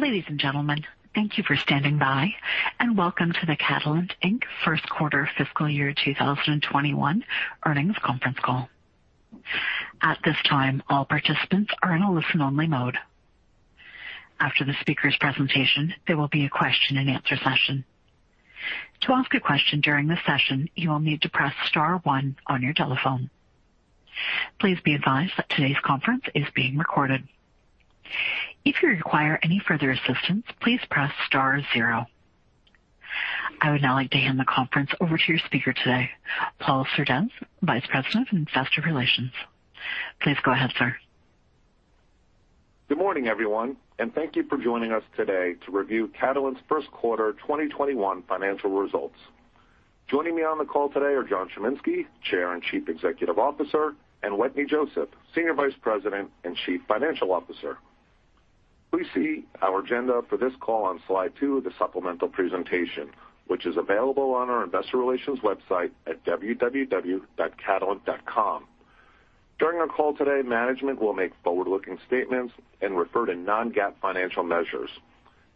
Ladies and gentlemen, thank you for standing by, and welcome to the Catalent, Inc. First Quarter Fiscal Year 2021 Earnings Conference Call. At this time, all participants are in a listen-only mode. After the speaker's presentation, there will be a question and answer session. To ask a question during the session, you will need to press star one on your telephone. Please be advised that today's conference is being recorded. If you require any further assistance, please press star zero. I would now like to hand the conference over to your speaker today, Paul Surdez, Vice President of Investor Relations. Please go ahead, sir. Good morning, everyone, and thank you for joining us today to review Catalent's first quarter 2021 financial results. Joining me on the call today are John Chiminski, Chair and Chief Executive Officer, and Wetteny Joseph, Senior Vice President and Chief Financial Officer. Please see our agenda for this call on slide two of the supplemental presentation, which is available on our investor relations website at www.catalent.com. During our call today, management will make forward-looking statements and refer to non-GAAP financial measures.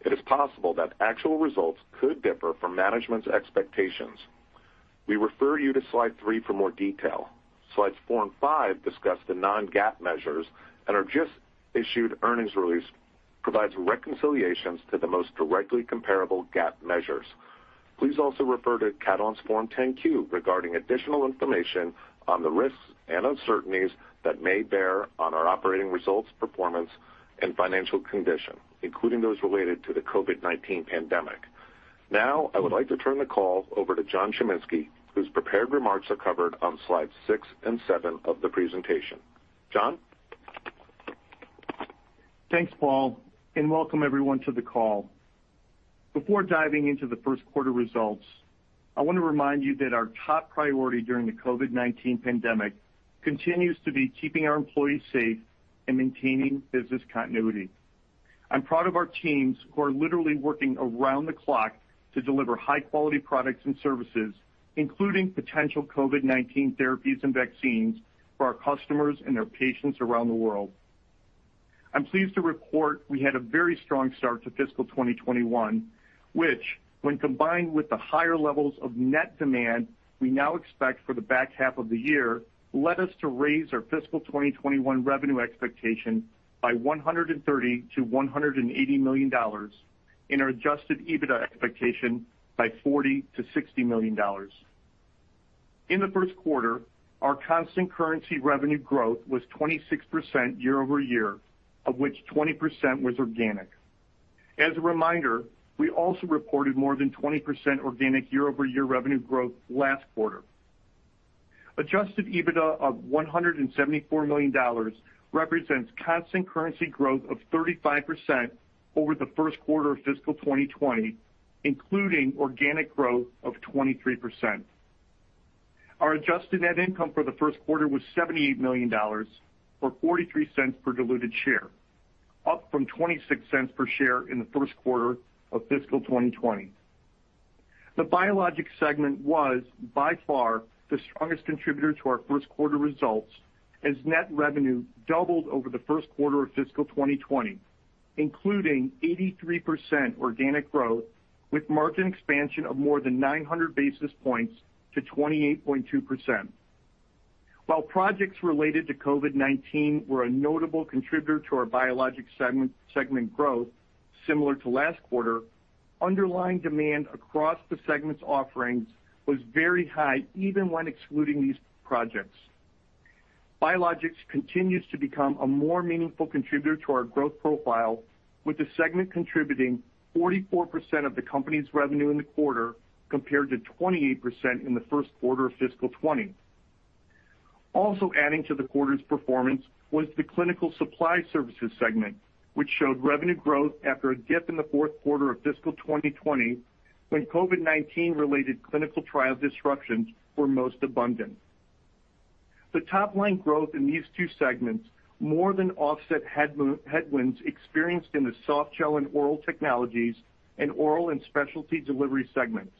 It is possible that actual results could differ from management's expectations. We refer you to slide three for more detail. Slides four and five discuss the non-GAAP measures and our just-issued earnings release provides reconciliations to the most directly comparable GAAP measures. Please also refer to Catalent's Form 10-Q regarding additional information on the risks and uncertainties that may bear on our operating results, performance, and financial condition, including those related to the COVID-19 pandemic. I would like to turn the call over to John Chiminski, whose prepared remarks are covered on slides six and seven of the presentation. John? Thanks, Paul, and welcome everyone to the call. Before diving into the first quarter results, I want to remind you that our top priority during the COVID-19 pandemic continues to be keeping our employees safe and maintaining business continuity. I'm proud of our teams who are literally working around the clock to deliver high-quality products and services, including potential COVID-19 therapies and vaccines for our customers and their patients around the world. I'm pleased to report we had a very strong start to fiscal 2021, which, when combined with the higher levels of net demand we now expect for the back half of the year, led us to raise our fiscal 2021 revenue expectation by $130 million-$180 million and our adjusted EBITDA expectation by $40 million-$60 million. In the first quarter, our constant currency revenue growth was 26% year-over-year, of which 20% was organic. As a reminder, we also reported more than 20% organic year-over-year revenue growth last quarter. Adjusted EBITDA of $174 million represents constant currency growth of 35% over the first quarter of fiscal 2020, including organic growth of 23%. Our adjusted net income for the first quarter was $78 million, or $0.43 per diluted share, up from $0.26 per share in the first quarter of fiscal 2020. The Biologics segment was, by far, the strongest contributor to our first quarter results as net revenue doubled over the first quarter of fiscal 2020, including 83% organic growth with margin expansion of more than 900 basis points to 28.2%. While projects related to COVID-19 were a notable contributor to our Biologics segment growth, similar to last quarter, underlying demand across the segment's offerings was very high even when excluding these projects. Biologics continues to become a more meaningful contributor to our growth profile, with the segment contributing 44% of the company's revenue in the quarter compared to 28% in the first quarter of fiscal 2020. Also adding to the quarter's performance was the Clinical Supply Services segment, which showed revenue growth after a dip in the fourth quarter of fiscal 2020 when COVID-19-related clinical trial disruptions were most abundant. The top-line growth in these two segments more than offset headwinds experienced in the Softgel and Oral Technologies and Oral and Specialty Delivery segments.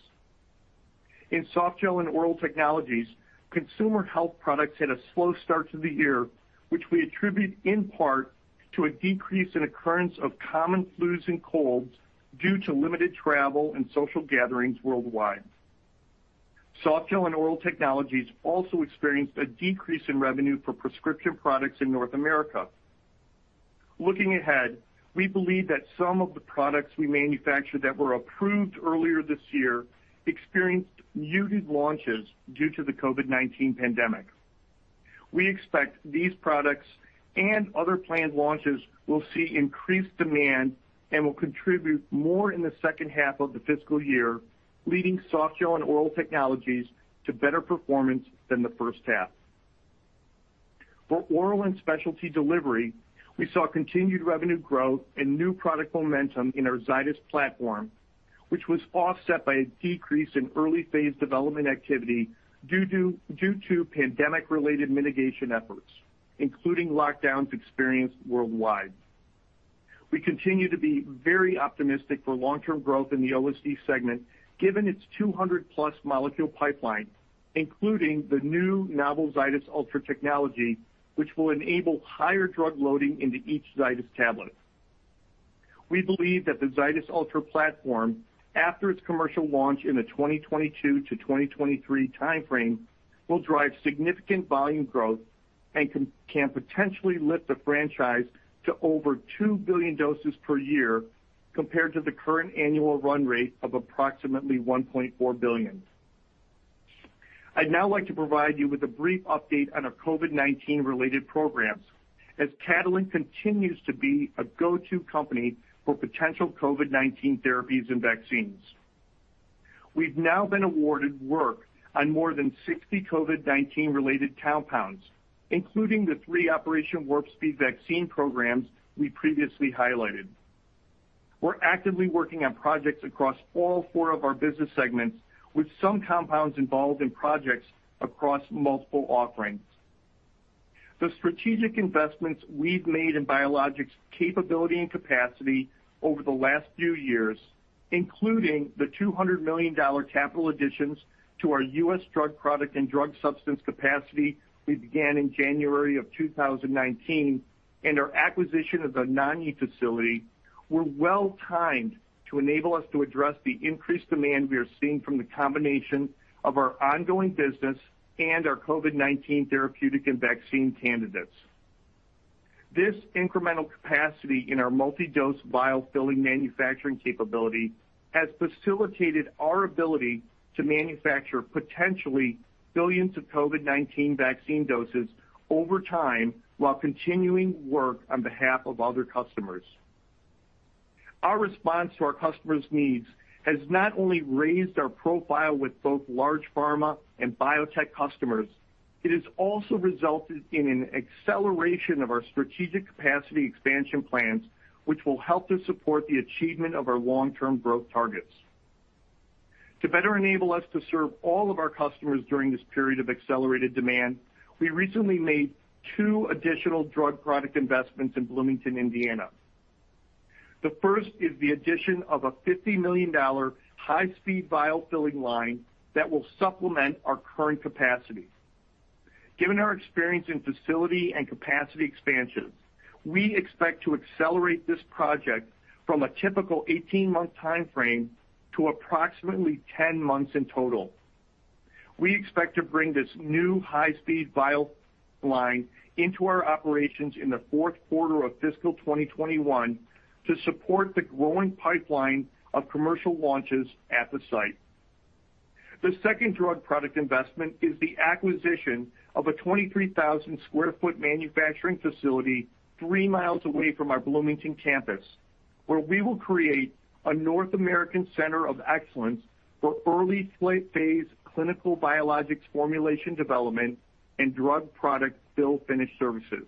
In Softgel and Oral Technologies, consumer health products had a slow start to the year, which we attribute in part to a decrease in occurrence of common flus and colds due to limited travel and social gatherings worldwide. Softgel and Oral Technologies also experienced a decrease in revenue for prescription products in North America. Looking ahead, we believe that some of the products we manufacture that were approved earlier this year experienced muted launches due to the COVID-19 pandemic. We expect these products and other planned launches will see increased demand and will contribute more in the second half of the fiscal year, leading Softgel and Oral Technologies to better performance than the first half. For Oral and Specialty Delivery, we saw continued revenue growth and new product momentum in our Zydis platform, which was offset by a decrease in early-phase development activity due to pandemic-related mitigation efforts, including lockdowns experienced worldwide. We continue to be very optimistic for long-term growth in the OSD segment given its 200-plus molecule pipeline, including the new novel Zydis Ultra technology, which will enable higher drug loading into each Zydis tablet. We believe that the Zydis Ultra platform, after its commercial launch in the 2022-2023 timeframe, will drive significant volume growth and can potentially lift the franchise to over 2 billion doses per year, compared to the current annual run rate of approximately 1.4 billion. I'd now like to provide you with a brief update on our COVID-19 related programs, as Catalent continues to be a go-to company for potential COVID-19 therapies and vaccines. We've now been awarded work on more than 60 COVID-19 related compounds, including the three Operation Warp Speed vaccine programs we previously highlighted. We're actively working on projects across all four of our business segments, with some compounds involved in projects across multiple offerings. The strategic investments we've made in Biologics capability and capacity over the last few years, including the $200 million capital additions to our U.S. drug product and drug substance capacity we began in January of 2019, and our acquisition of the Anagni facility, were well-timed to enable us to address the increased demand we are seeing from the combination of our ongoing business and our COVID-19 therapeutic and vaccine candidates. This incremental capacity in our multi-dose vial filling manufacturing capability has facilitated our ability to manufacture potentially billions of COVID-19 vaccine doses over time while continuing work on behalf of other customers. Our response to our customers' needs has not only raised our profile with both large pharma and biotech customers, it has also resulted in an acceleration of our strategic capacity expansion plans, which will help to support the achievement of our long-term growth targets. To better enable us to serve all of our customers during this period of accelerated demand, we recently made two additional drug product investments in Bloomington, Indiana. The first is the addition of a $50 million high-speed vial filling line that will supplement our current capacity. Given our experience in facility and capacity expansions, we expect to accelerate this project from a typical 18-month timeframe to approximately 10 months in total. We expect to bring this new high-speed vial line into our operations in the fourth quarter of fiscal 2021 to support the growing pipeline of commercial launches at the site. The second drug product investment is the acquisition of a 23,000 square foot manufacturing facility three miles away from our Bloomington campus, where we will create a North American center of excellence for early phase clinical biologics formulation development and drug product fill-finish services.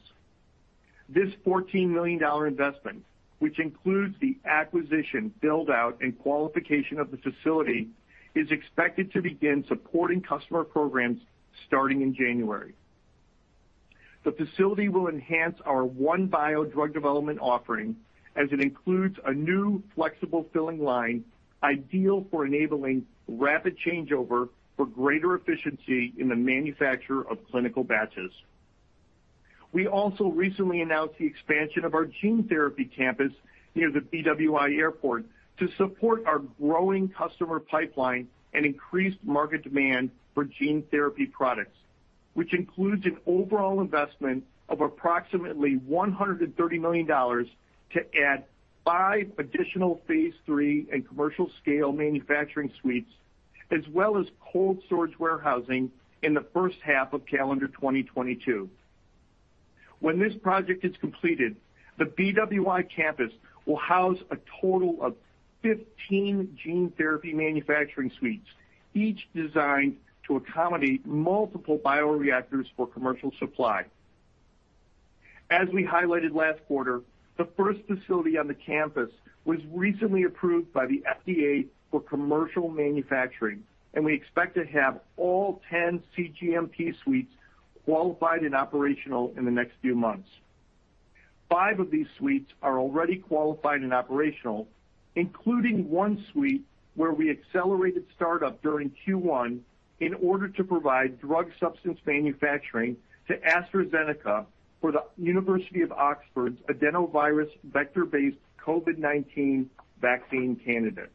This $14 million investment, which includes the acquisition, build-out, and qualification of the facility, is expected to begin supporting customer programs starting in January. The facility will enhance our OneBio drug development offering, as it includes a new flexible filling line ideal for enabling rapid changeover for greater efficiency in the manufacture of clinical batches. We also recently announced the expansion of our gene therapy campus near the BWI Airport to support our growing customer pipeline and increased market demand for gene therapy products, which includes an overall investment of approximately $130 million to add five additional phase III and commercial scale manufacturing suites as well as cold storage warehousing in the first half of calendar 2022. When this project is completed, the BWI campus will house a total of 15 gene therapy manufacturing suites, each designed to accommodate multiple bioreactors for commercial supply. As we highlighted last quarter, the first facility on the campus was recently approved by the FDA for commercial manufacturing. We expect to have all 10 cGMP suites qualified and operational in the next few months. Five of these suites are already qualified and operational, including one suite where we accelerated startup during Q1 in order to provide drug substance manufacturing to AstraZeneca for the University of Oxford's adenovirus vector-based COVID-19 vaccine candidate.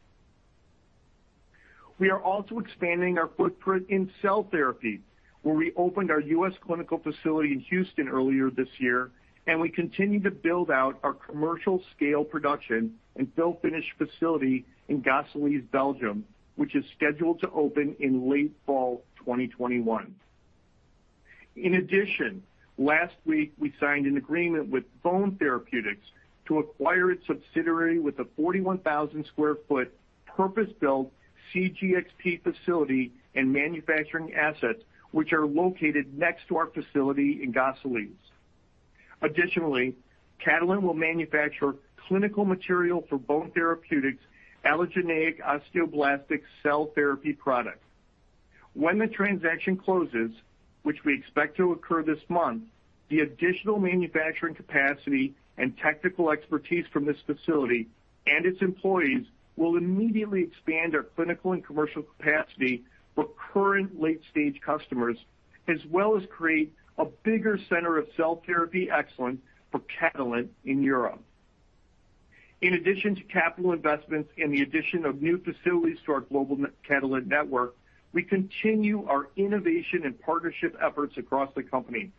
We are also expanding our footprint in cell therapy, where we opened our U.S. clinical facility in Houston earlier this year. We continue to build out our commercial scale production and fill-finish facility in Gosselies, Belgium, which is scheduled to open in late fall 2021. In addition, last week, we signed an agreement with Bone Therapeutics to acquire its subsidiary with a 41,000 square foot purpose-built cGXP facility and manufacturing assets, which are located next to our facility in Gosselies. Additionally, Catalent will manufacture clinical material for Bone Therapeutics' allogeneic osteoblastic cell therapy product. When the transaction closes, which we expect to occur this month, the additional manufacturing capacity and technical expertise from this facility and its employees will immediately expand our clinical and commercial capacity for current late-stage customers as well as create a bigger center of cell therapy excellence for Catalent in Europe. In addition to capital investments in the addition of new facilities to our global Catalent network, we continue our innovation and partnership efforts across the company.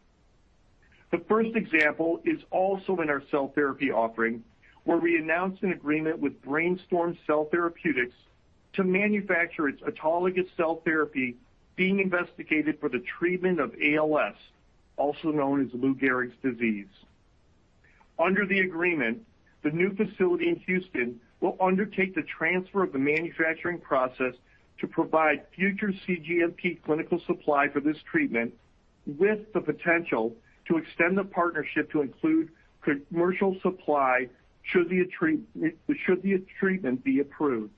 The first example is also in our cell therapy offering, where we announced an agreement with BrainStorm Cell Therapeutics to manufacture its autologous cell therapy being investigated for the treatment of ALS, also known as Lou Gehrig's disease. Under the agreement, the new facility in Houston will undertake the transfer of the manufacturing process to provide future cGMP clinical supply for this treatment, with the potential to extend the partnership to include commercial supply should the treatment be approved.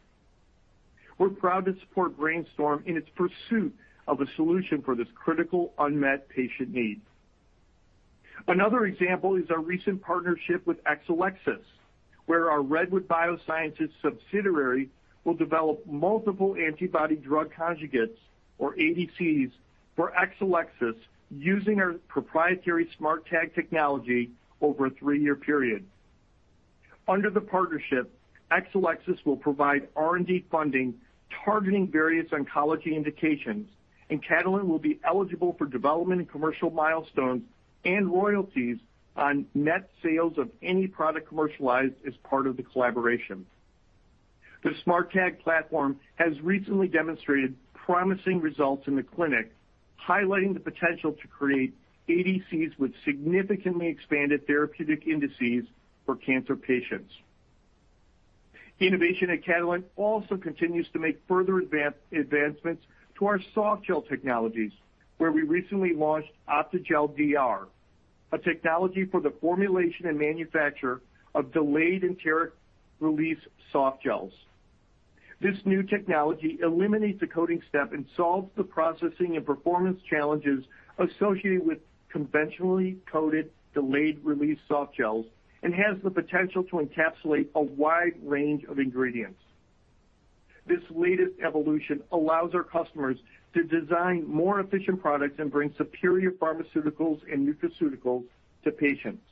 We're proud to support BrainStorm in its pursuit of a solution for this critical unmet patient need. Another example is our recent partnership with Exelixis, where our Redwood Bioscience subsidiary will develop multiple antibody-drug conjugates, or ADCs, for Exelixis using our proprietary SMARTag technology over a three-year period. Under the partnership, Exelixis will provide R&D funding targeting various oncology indications, Catalent will be eligible for development and commercial milestones and royalties on net sales of any product commercialized as part of the collaboration. The SMARTag platform has recently demonstrated promising results in the clinic, highlighting the potential to create ADCs with significantly expanded therapeutic indices for cancer patients. Innovation at Catalent also continues to make further advancements to our softgel technologies, where we recently launched OptiGel DR, a technology for the formulation and manufacture of delayed and enteric release softgels. This new technology eliminates the coating step and solves the processing and performance challenges associated with conventionally coated delayed release softgels and has the potential to encapsulate a wide range of ingredients. This latest evolution allows our customers to design more efficient products and bring superior pharmaceuticals and nutraceuticals to patients.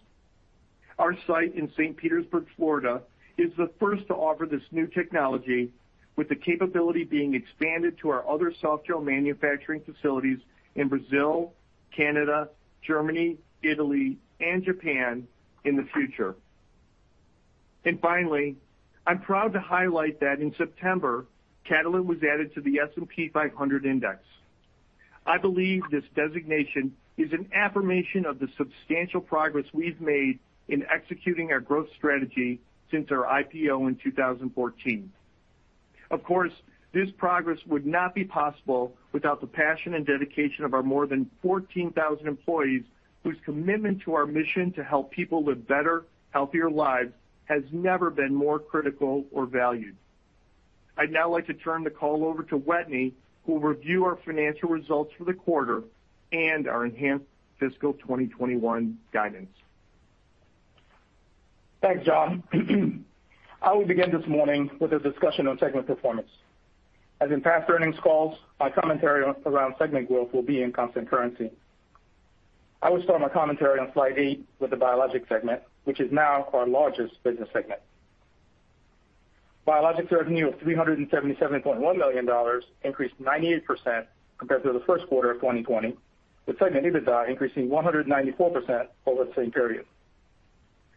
Our site in St. Petersburg, Florida, is the first to offer this new technology, with the capability being expanded to our other softgel manufacturing facilities in Brazil, Canada, Germany, Italy, and Japan in the future. Finally, I'm proud to highlight that in September, Catalent was added to the S&P 500 index. I believe this designation is an affirmation of the substantial progress we've made in executing our growth strategy since our IPO in 2014. Of course, this progress would not be possible without the passion and dedication of our more than 14,000 employees, whose commitment to our mission to help people live better, healthier lives has never been more critical or valued. I'd now like to turn the call over to Wetteny, who will review our financial results for the quarter and our enhanced fiscal 2021 guidance. Thanks, John. I will begin this morning with a discussion on segment performance. As in past earnings calls, my commentary around segment growth will be in constant currency. I will start my commentary on slide eight with the Biologics segment, which is now our largest business segment. Biologics revenue of $377.1 million increased 98% compared to the first quarter of 2020, with segment EBITDA increasing 194% over the same period.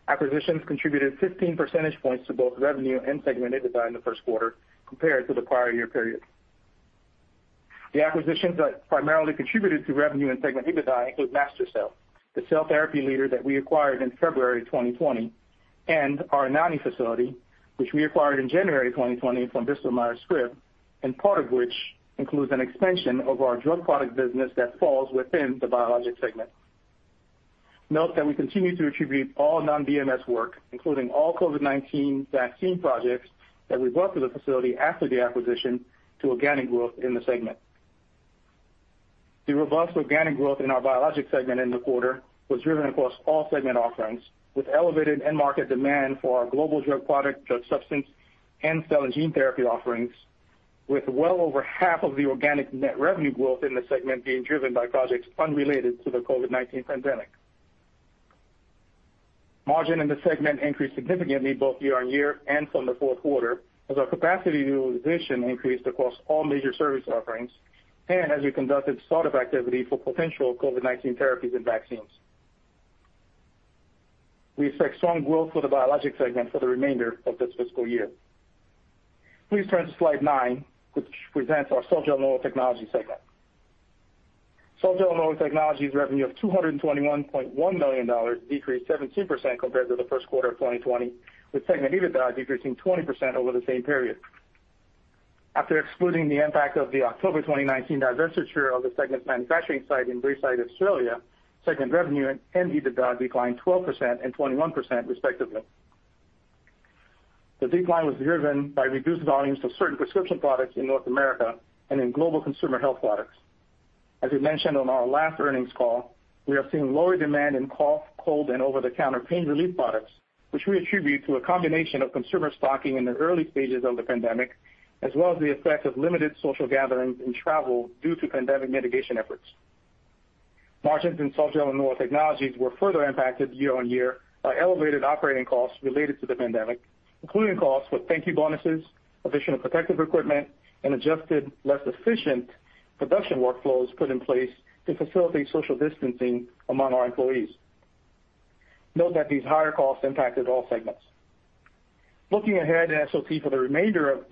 Acquisitions contributed 15 percentage points to both revenue and segment EBITDA in the first quarter compared to the prior year period. The acquisitions that primarily contributed to revenue and segment EBITDA include MaSTherCell, the cell therapy leader that we acquired in February 2020, and our Anagni facility, which we acquired in January 2020 from Bristol Myers Squibb, and part of which includes an expansion of our drug product business that falls within the Biologics segment. Note that we continue to attribute all non-BMS work, including all COVID-19 vaccine projects that we brought to the facility after the acquisition to organic growth in the segment. The robust organic growth in our Biologics Segment in the quarter was driven across all segment offerings with elevated end market demand for our global drug product, drug substance, and cell and gene therapy offerings with well over half of the organic net revenue growth in the segment being driven by projects unrelated to the COVID-19 pandemic. Margin in the segment increased significantly both year-over-year and from the fourth quarter as our capacity utilization increased across all major service offerings and as we conducted startup activity for potential COVID-19 therapies and vaccines. We expect strong growth for the Biologics Segment for the remainder of this fiscal year. Please turn to slide nine, which presents our Softgel & Oral Technologies segment. Softgel & Oral Technologies revenue of $221.1 million decreased 17% compared to the first quarter of 2020, with segment EBITDA decreasing 20% over the same period. After excluding the impact of the October 2019 divestiture of the segment's manufacturing site in Braeside, Australia, segment revenue and EBITDA declined 12% and 21% respectively. The decline was driven by reduced volumes of certain prescription products in North America and in global consumer health products, which we attribute to a combination of consumer stocking in the early stages of the pandemic, as well as the effect of limited social gatherings and travel due to pandemic mitigation efforts. Margins in Softgel & Oral Technologies were further impacted year-on-year by elevated operating costs related to the pandemic, including costs for thank you bonuses, additional protective equipment, and adjusted less efficient production workflows put in place to facilitate social distancing among our employees. Note that these higher costs impacted all segments. Looking ahead at SOT for the remainder of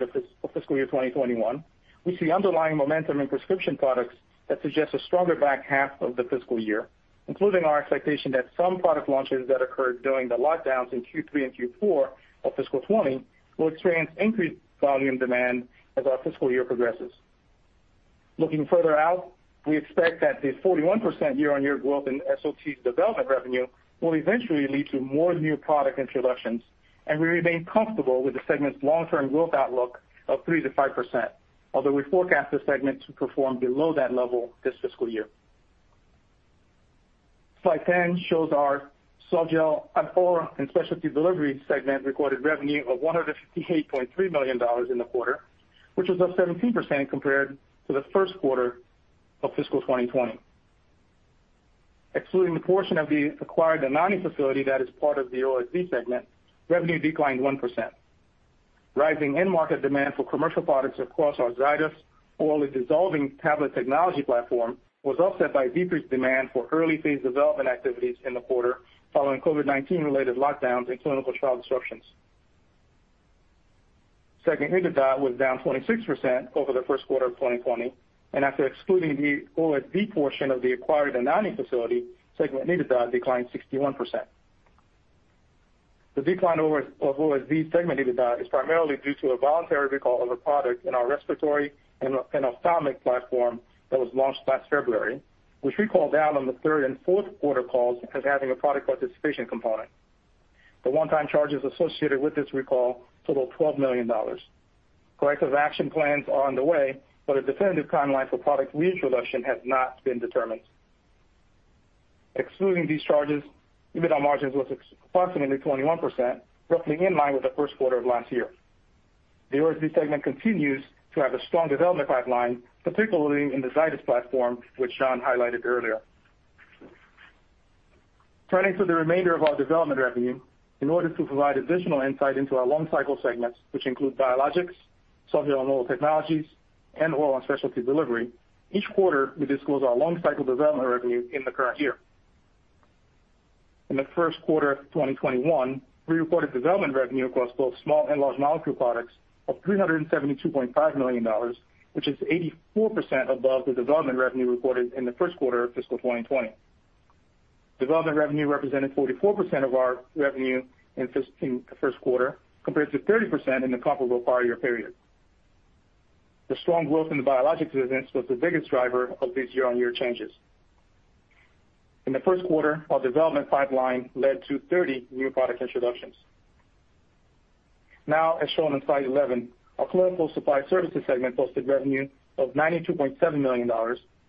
fiscal year 2021, we see underlying momentum in prescription products that suggests a stronger back half of the fiscal year, including our expectation that some product launches that occurred during the lockdowns in Q3 and Q4 of fiscal 2020 will experience increased volume demand as our fiscal year progresses. Looking further out, we expect that the 41% year-on-year growth in SOT's development revenue will eventually lead to more new product introductions, and we remain comfortable with the segment's long-term growth outlook of 3%-5%, although we forecast this segment to perform below that level this fiscal year. Slide 10 shows our Softgel & Oral and Specialty Delivery segment recorded revenue of $158.3 million in the quarter, which was up 17% compared to the first quarter of fiscal 2020. Excluding the portion of the acquired Anagni facility that is part of the OSD segment, revenue declined 1%. Rising end-market demand for commercial products across our Zydis orally dissolving tablet technology platform was offset by decreased demand for early-phase development activities in the quarter, following COVID-19 related lockdowns and clinical trial disruptions. Segment EBITDA was down 26% over the first quarter of 2020, and after excluding the OSD portion of the acquired Anagni facility, segment EBITDA declined 61%. The decline of OSD segment EBITDA is primarily due to a voluntary recall of a product in our respiratory and ophthalmic platform that was launched last February, which we called out on the third and fourth quarter calls as having a product participation component. The one-time charges associated with this recall total $12 million. Corrective action plans are underway, but a definitive timeline for product reintroduction has not been determined. Excluding these charges, EBITDA margins was approximately 21%, roughly in line with the first quarter of last year. The OSD segment continues to have a strong development pipeline, particularly in the Zydis platform, which John highlighted earlier. Turning to the remainder of our development revenue, in order to provide additional insight into our long-cycle segments, which include Biologics, Softgel & Oral Technologies, and Oral and Specialty Delivery, each quarter, we disclose our long-cycle development revenue in the current year. In the first quarter of 2021, we reported development revenue across both small and large molecule products of $372.5 million, which is 84% above the development revenue reported in the first quarter of fiscal 2020. Development revenue represented 44% of our revenue in the first quarter, compared to 30% in the comparable prior year period. The strong growth in the Biologics business was the biggest driver of these year-on-year changes. In the first quarter, our development pipeline led to 30 new product introductions. As shown on slide 11, our Clinical Supply Services segment posted revenue of $92.7 million,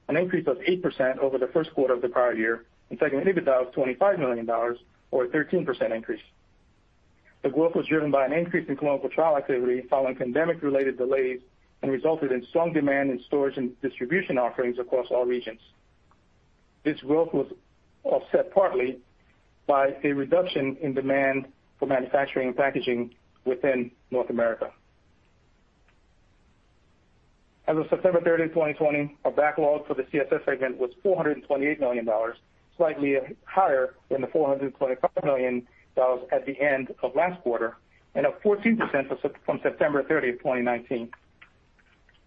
an increase of 8% over the first quarter of the prior year and segment EBITDA of $25 million or a 13% increase. The growth was driven by an increase in clinical trial activity following pandemic-related delays and resulted in strong demand in storage and distribution offerings across all regions. This growth was offset partly by a reduction in demand for manufacturing and packaging within North America. As of September 30th, 2020, our backlog for the CSS segment was $428 million, slightly higher than the $425 million at the end of last quarter and up 14% from September 30th, 2019.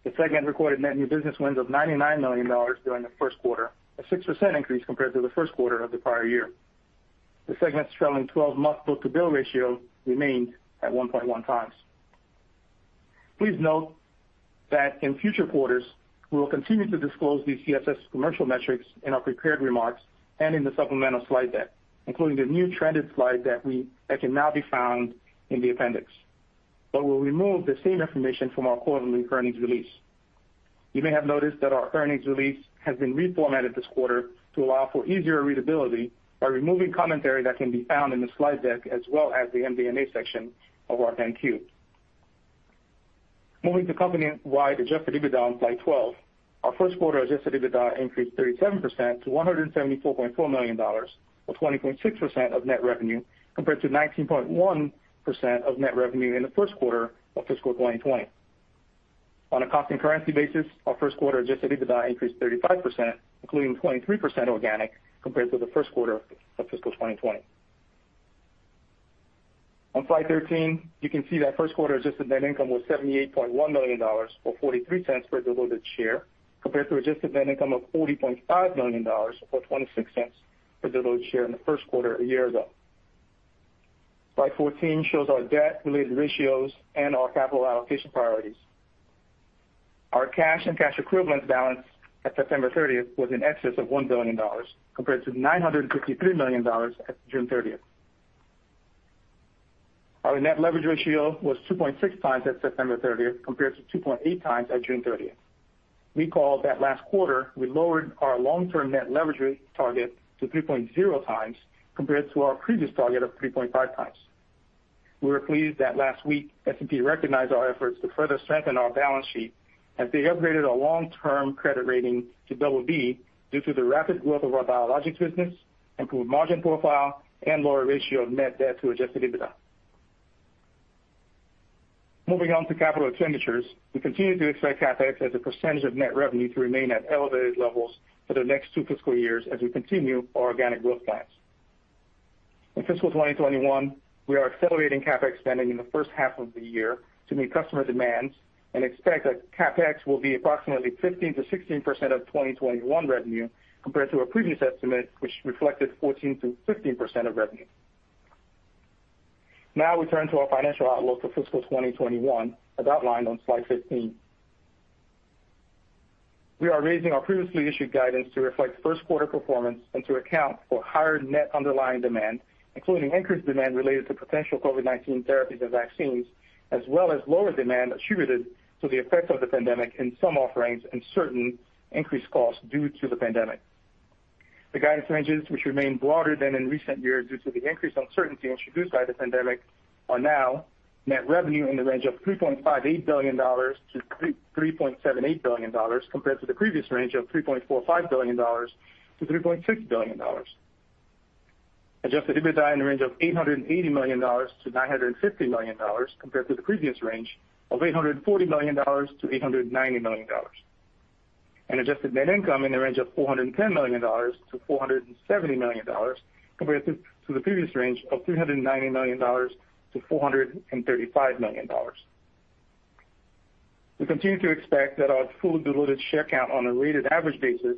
The segment recorded net new business wins of $99 million during the first quarter, a 6% increase compared to the first quarter of the prior year. The segment's trailing 12-month book-to-bill ratio remained at 1.1 times. Please note that in future quarters, we will continue to disclose these CSS commercial metrics in our prepared remarks and in the supplemental slide deck, including the new trended slide deck that can now be found in the appendix. We'll remove the same information from our quarterly earnings release. You may have noticed that our earnings release has been reformatted this quarter to allow for easier readability by removing commentary that can be found in the slide deck as well as the MD&A section of our 10-Q. Moving to company-wide adjusted EBITDA on slide 12, our first quarter adjusted EBITDA increased 37% to $174.4 million or 20.6% of net revenue, compared to 19.1% of net revenue in the first quarter of fiscal 2020. On a constant currency basis, our first quarter adjusted EBITDA increased 35%, including 23% organic compared to the first quarter of fiscal 2020. On slide 13, you can see that first-quarter adjusted net income was $78.1 million or $0.43 per diluted share compared to adjusted net income of $40.5 million or $0.26 per diluted share in the first quarter a year ago. Slide 14 shows our debt-related ratios and our capital allocation priorities. Our cash and cash equivalents balance at September 30th was in excess of $1 billion compared to $953 million at June 30th. Our net leverage ratio was 2.6x at September 30th, compared to 2.8x at June 30th. Recall that last quarter, we lowered our long-term net leverage target to 3.0x compared to our previous target of 3.5 times. We were pleased that last week S&P recognized our efforts to further strengthen our balance sheet as they upgraded our long-term credit rating to BB due to the rapid growth of our Biologics business, improved margin profile, and lower ratio of net debt to adjusted EBITDA. Moving on to capital expenditures, we continue to expect CapEx as a percentage of net revenue to remain at elevated levels for the next two fiscal years as we continue our organic growth plans. In fiscal 2021, we are accelerating CapEx spending in the first half of the year to meet customer demands and expect that CapEx will be approximately 15%-16% of 2021 revenue, compared to our previous estimate, which reflected 14%-15% of revenue. We turn to our financial outlook for fiscal 2021, as outlined on slide 15. We are raising our previously issued guidance to reflect first quarter performance and to account for higher net underlying demand, including increased demand related to potential COVID-19 therapies and vaccines, as well as lower demand attributed to the effects of the pandemic in some offerings and certain increased costs due to the pandemic. The guidance ranges, which remain broader than in recent years due to the increased uncertainty introduced by the pandemic, are now net revenue in the range of $3.58 billion-$3.78 billion, compared to the previous range of $3.45 billion-$3.6 billion. Adjusted EBITDA in the range of $880 million-$950 million, compared to the previous range of $840 million-$890 million. Adjusted net income in the range of $410 million-$470 million, compared to the previous range of $390 million-$435 million. We continue to expect that our fully diluted share count on a weighted average basis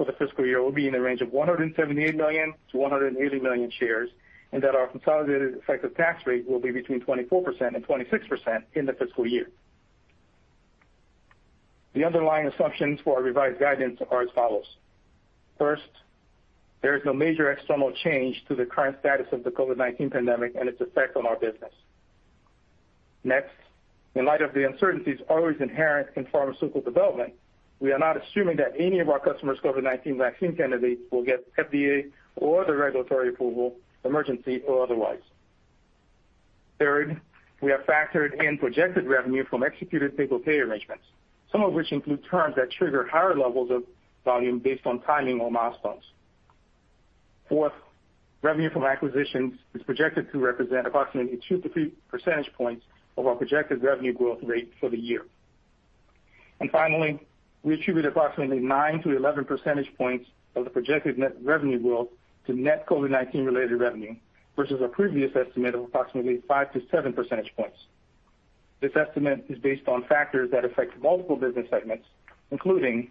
for the fiscal year will be in the range of 178 million to 180 million shares, and that our consolidated effective tax rate will be between 24% and 26% in the fiscal year. The underlying assumptions for our revised guidance are as follows. First, there is no major external change to the current status of the COVID-19 pandemic and its effect on our business. Next, in light of the uncertainties always inherent in pharmaceutical development, we are not assuming that any of our customers' COVID-19 vaccine candidates will get FDA or other regulatory approval, emergency or otherwise. Third, we have factored in projected revenue from executed take-or-pay arrangements, some of which include terms that trigger higher levels of volume based on timing or milestones. Fourth, revenue from acquisitions is projected to represent approximately 2 to 3 percentage points of our projected revenue growth rate for the year. Finally, we attribute approximately 9 to 11 percentage points of the projected net revenue growth to net COVID-19-related revenue, versus our previous estimate of approximately 5 to 7 percentage points. This estimate is based on factors that affect multiple business segments, including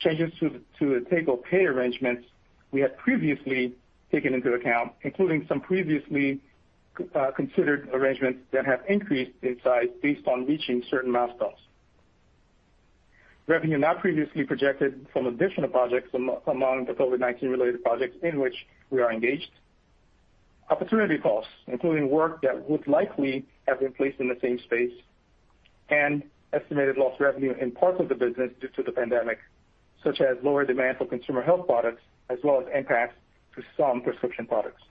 changes to the take-or-pay arrangements we had previously taken into account, including some previously considered arrangements that have increased in size based on reaching certain milestones, and revenue not previously projected from additional projects among the COVID-19-related projects in which we are engaged. Opportunity costs, including work that would likely have been placed in the same space and estimated lost revenue in parts of the business due to the pandemic, such as lower demand for consumer health products, as well as impacts to some prescription products.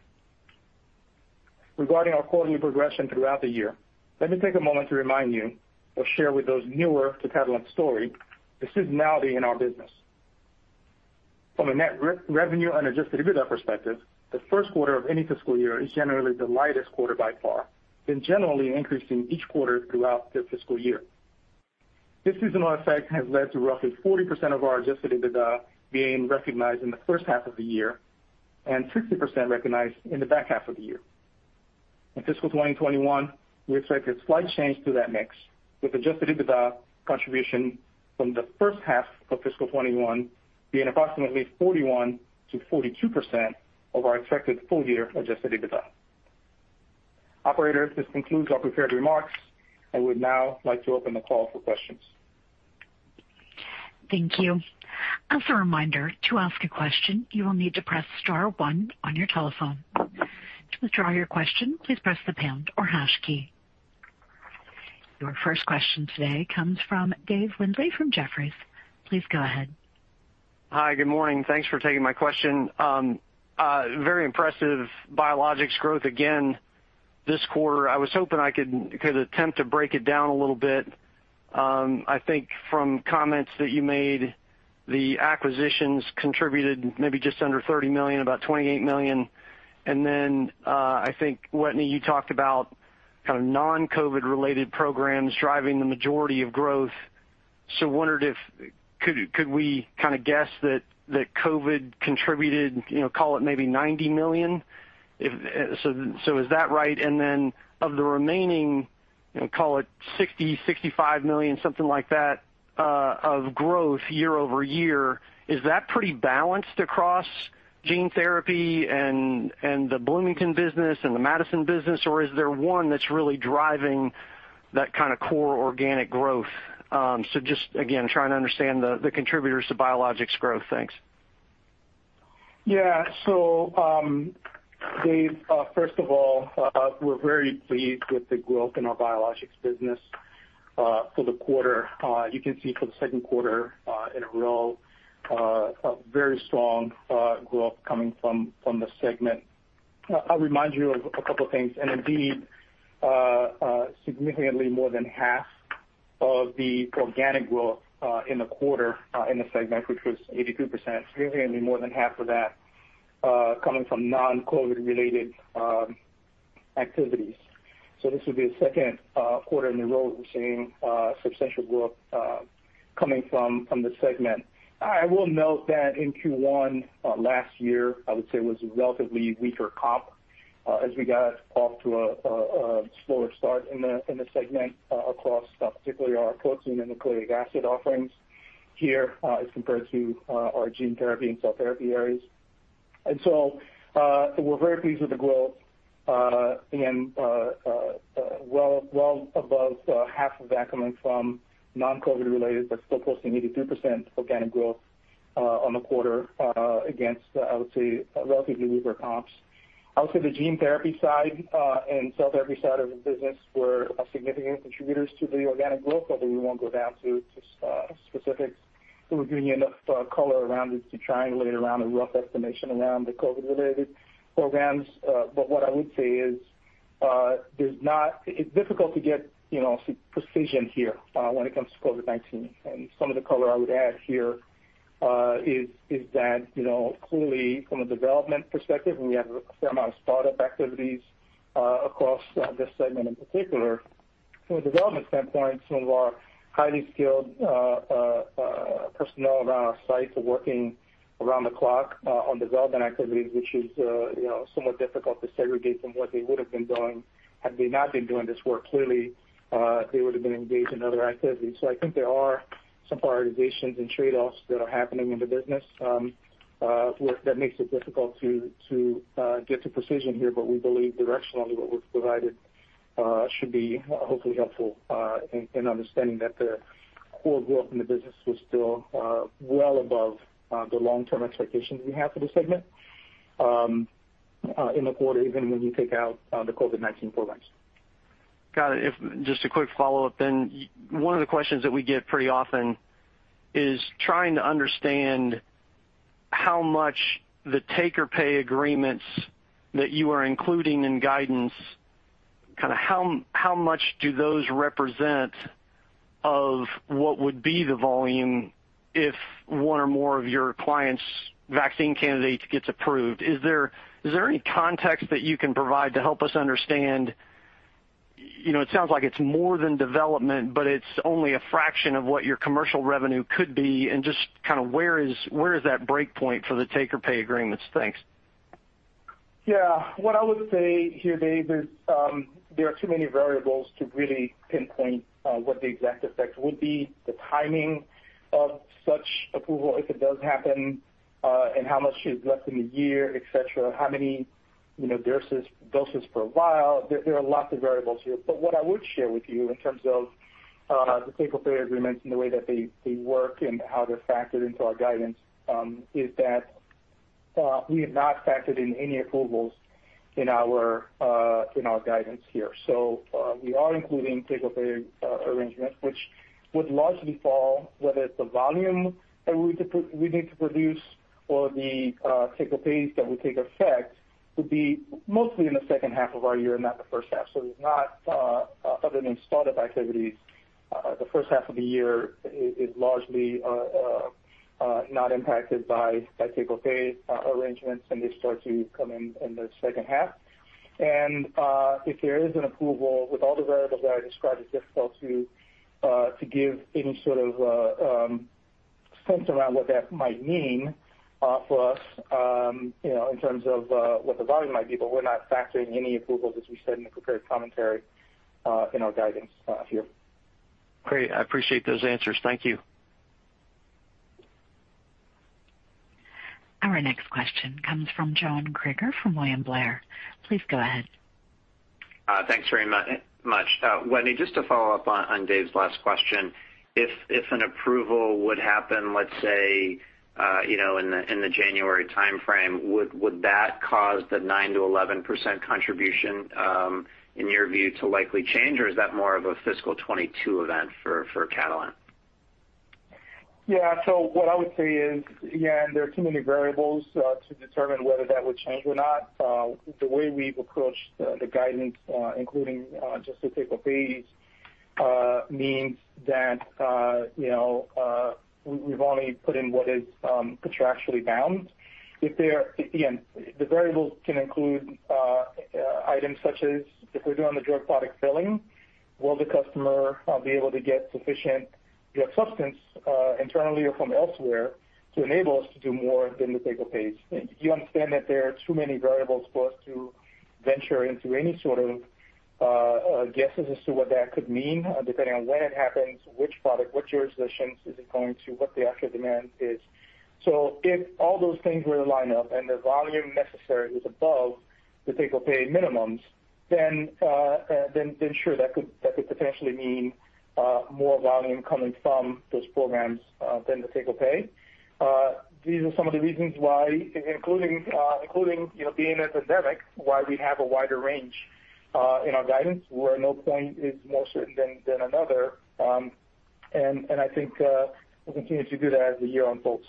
Regarding our quarterly progression throughout the year, let me take a moment to remind you or share with those newer to Catalent's story the seasonality in our business. From a net revenue and adjusted EBITDA perspective, the first quarter of any fiscal year is generally the lightest quarter by far, then generally increasing each quarter throughout the fiscal year. This seasonal effect has led to roughly 40% of our adjusted EBITDA being recognized in the first half of the year and 60% recognized in the back half of the year. In fiscal 2021, we expect a slight change to that mix, with adjusted EBITDA contribution from the first half of fiscal 2021 being approximately 41%-42% of our expected full year adjusted EBITDA. Operator, this concludes our prepared remarks. I would now like to open the call for questions. Thank you. As a reminder, to ask a question, you will need to press star one on your telephone. To withdraw your question, please press the pound or hash key. Your first question today comes from Dave Windley from Jefferies. Please go ahead. Hi. Good morning. Thanks for taking my question. Very impressive Biologics growth again this quarter. I was hoping I could attempt to break it down a little bit. I think from comments that you made, the acquisitions contributed maybe just under $30 million, about $28 million. Then, I think, Wetteny, you talked about non-COVID related programs driving the majority of growth. Wondered, could we guess that COVID contributed, call it maybe $90 million? Is that right? Then of the remaining, call it $60 million, $65 million, something like that, of growth year-over-year, is that pretty balanced across gene therapy and the Bloomington business and the Madison business? Is there one that's really driving that core organic growth? Just again, trying to understand the contributors to Biologics growth. Thanks. Yeah. Dave, first of all, we're very pleased with the growth in our Biologics business for the quarter. You can see for the second quarter in a row, a very strong growth coming from the segment. I'll remind you of a couple things, indeed, significantly more than half of the organic growth in the quarter in the segment, which was 44%, significantly more than half of that coming from non-COVID-related activities. This will be the second quarter in a row we're seeing substantial growth coming from this segment. I will note that in Q1 last year, I would say was a relatively weaker comp as we got off to a slower start in the segment across, particularly our protein and nucleic acid offerings here as compared to our gene therapy and cell therapy areas. We're very pleased with the growth, again well above half of that coming from non-COVID-related but still posting 83% organic growth on the quarter against, I would say, relatively weaker comps. I would say the gene therapy side and cell therapy side of the business were significant contributors to the organic growth, although we won't go down to specifics. We're giving you enough color around it to triangulate around a rough estimation around the COVID-related programs. What I would say is it's difficult to get precision here when it comes to COVID-19. Some of the color I would add here is that clearly from a development perspective, and we have a fair amount of startup activities across this segment, in particular. From a development standpoint, some of our highly skilled personnel around our sites are working around the clock on development activities, which is somewhat difficult to segregate from what they would have been doing had they not been doing this work. Clearly, they would have been engaged in other activities. I think there are some prioritizations and trade-offs that are happening in the business that makes it difficult to get to precision here. We believe directionally what we've provided should be hopefully helpful in understanding that the core growth in the business was still well above the long-term expectations we have for the segment in the quarter, even when you take out the COVID-19 programs. Got it. Just a quick follow-up then. One of the questions that we get pretty often is trying to understand how much the take-or-pay agreements that you are including in guidance, how much do those represent of what would be the volume if one or more of your clients' vaccine candidates gets approved? Is there any context that you can provide to help us understand? It sounds like it's more than development, but it's only a fraction of what your commercial revenue could be and just where is that break point for the take-or-pay agreements? Thanks. Yeah. What I would say here, Dave, is there are too many variables to really pinpoint what the exact effect would be, the timing of such approval if it does happen and how much is less than a year, et cetera. How many doses per vial? There are lots of variables here, but what I would share with you in terms of the take-or-pay agreements and the way that they work and how they're factored into our guidance, is that we have not factored in any approvals in our guidance here. We are including take-or-pay arrangements, which would largely fall, whether it's the volume that we need to produce or the take-or-pays that would take effect, would be mostly in the second half of our year and not the first half. It's not other than startup activities. The first half of the year is largely not impacted by take-or-pay arrangements, and they start to come in in the second half. If there is an approval with all the variables that I described, it's difficult to give any sort of sense around what that might mean for us in terms of what the volume might be. We're not factoring any approvals, as we said in the prepared commentary in our guidance here. Great. I appreciate those answers. Thank you. Our next question comes from John Kreger from William Blair. Please go ahead. Thanks very much. Wetteny, just to follow up on Dave's last question, if an approval would happen, let's say in the January timeframe, would that cause the 9%-11% contribution, in your view, to likely change? Or is that more of a fiscal 2022 event for Catalent? Yeah. What I would say is, again, there are too many variables to determine whether that would change or not. The way we've approached the guidance including just the take-or-pays means that we've only put in what is contractually bound. Again, the variables can include items such as if we're doing the drug product filling, will the customer be able to get sufficient drug substance internally or from elsewhere to enable us to do more than the take-or-pays? You understand that there are too many variables for us to venture into any sort of guesses as to what that could mean depending on when it happens, which product, which jurisdictions is it going to, what the actual demand is. If all those things were to line up and the volume necessary is above the take-or-pay minimums. Sure, that could potentially mean more volume coming from those programs than the take-or-pay. These are some of the reasons why, including being in the pandemic, why we have a wider range in our guidance where no point is more certain than another. I think we'll continue to do that as the year unfolds.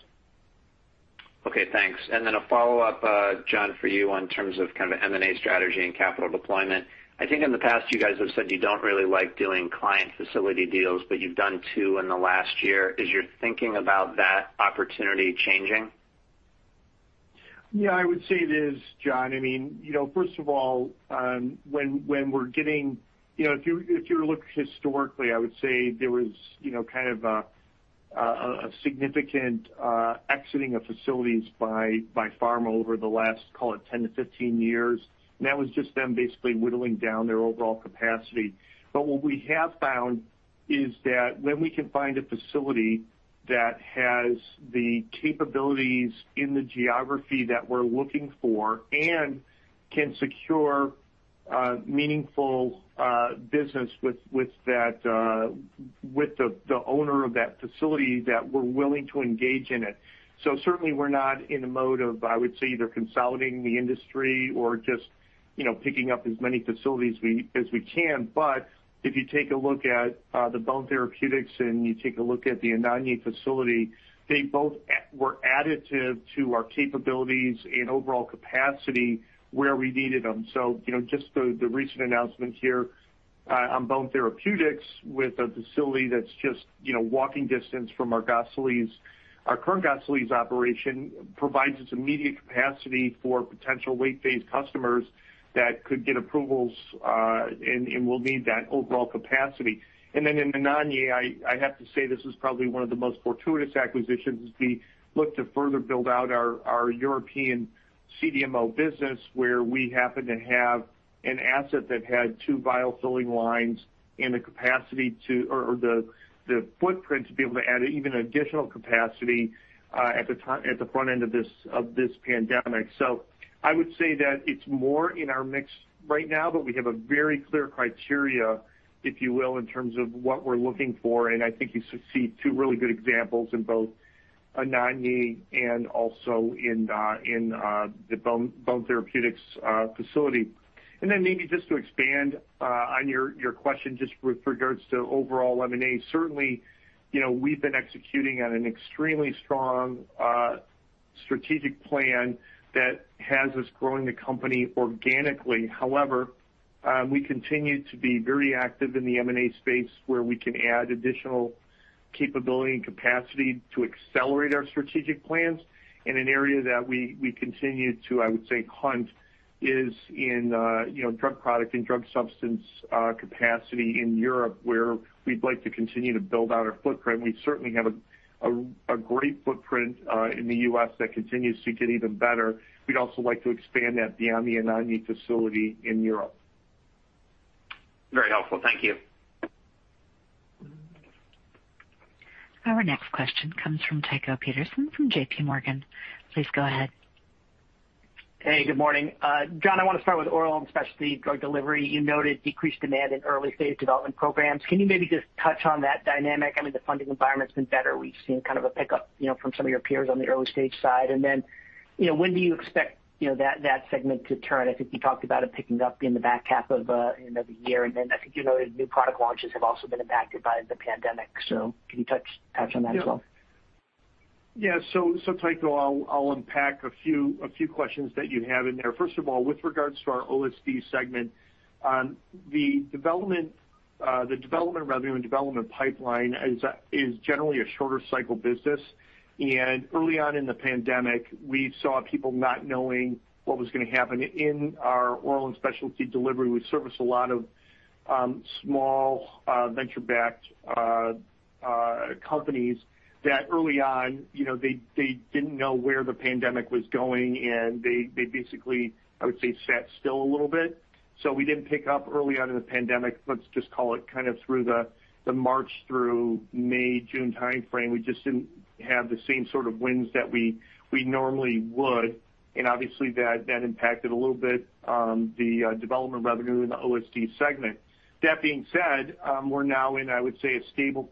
Okay, thanks. A follow-up, John, for you in terms of M&A strategy and capital deployment. I think in the past, you guys have said you don't really like doing client facility deals, but you've done two in the last year. Is your thinking about that opportunity changing? Yeah, I would say it is, John. First of all, if you were to look historically, I would say there was a significant exiting of facilities by pharma over the last, call it 10 to 15 years. That was just them basically whittling down their overall capacity. What we have found is that when we can find a facility that has the capabilities in the geography that we're looking for and can secure meaningful business with the owner of that facility, that we're willing to engage in it. Certainly, we're not in a mode of, I would say, either consolidating the industry or just picking up as many facilities as we can. If you take a look at the Bone Therapeutics and you take a look at the Anagni facility, they both were additive to our capabilities and overall capacity where we needed them. Just the recent announcement here on Bone Therapeutics with a facility that's just walking distance from our current Gosselies operation provides us immediate capacity for potential late-phase customers that could get approvals and will need that overall capacity. In Anagni, I have to say, this is probably one of the most fortuitous acquisitions as we look to further build out our European CDMO business where we happen to have an asset that had two vial filling lines and the footprint to be able to add even additional capacity at the front end of this pandemic. I would say that it's more in our mix right now, but we have a very clear criteria, if you will, in terms of what we're looking for, and I think you see two really good examples in both Anagni and also in the Bone Therapeutics facility. Maybe just to expand on your question just with regards to overall M&A. Certainly, we've been executing on an extremely strong strategic plan that has us growing the company organically. We continue to be very active in the M&A space where we can add additional capability and capacity to accelerate our strategic plans in an area that we continue to, I would say, hunt is in drug product and drug substance capacity in Europe where we'd like to continue to build out our footprint. We certainly have a great footprint in the U.S. that continues to get even better. We'd also like to expand that beyond the Anagni facility in Europe. Very helpful. Thank you. Our next question comes from Tycho Peterson from JP Morgan. Please go ahead. Hey, good morning. John, I want to start with Oral and Specialty Delivery. You noted decreased demand in early-stage development programs. Can you maybe just touch on that dynamic? I mean, the funding environment's been better. We've seen kind of a pickup from some of your peers on the early stage side. When do you expect that segment to turn? I think you talked about it picking up in the back half of the year, and then I think you noted new product launches have also been impacted by the pandemic. Can you touch on that as well? Yeah. Tycho, I'll unpack a few questions that you have in there. First of all, with regards to our OSD segment, the development revenue and development pipeline is generally a shorter cycle business. Early on in the pandemic, we saw people not knowing what was going to happen in our Oral and Specialty Delivery. We service a lot of small venture-backed companies that early on they didn't know where the pandemic was going, they basically, I would say, sat still a little bit. We didn't pick up early on in the pandemic, let's just call it kind of through the March through May, June timeframe. We just didn't have the same sort of wins that we normally would, obviously that impacted a little bit the development revenue in the OSD segment. That being said, we're now in, I would say, a stable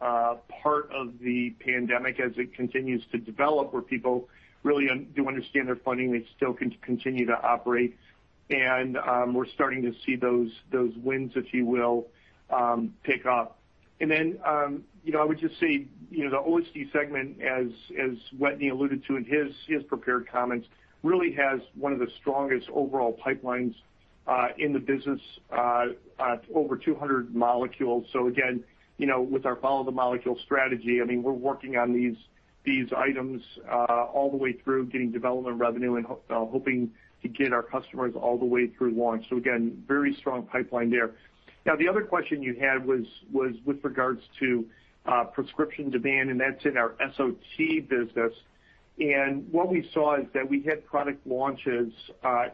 part of the pandemic as it continues to develop, where people really do understand their funding. They still can continue to operate, we're starting to see those wins, if you will, pick up. I would just say the OSD segment, as Wetteny alluded to in his prepared comments, really has one of the strongest overall pipelines in the business at over 200 molecules. Again, with our follow the molecule strategy, we're working on these items all the way through, getting development revenue and hoping to get our customers all the way through launch. Again, very strong pipeline there. Now, the other question you had was with regards to prescription demand, and that's in our SOT business. What we saw is that we had product launches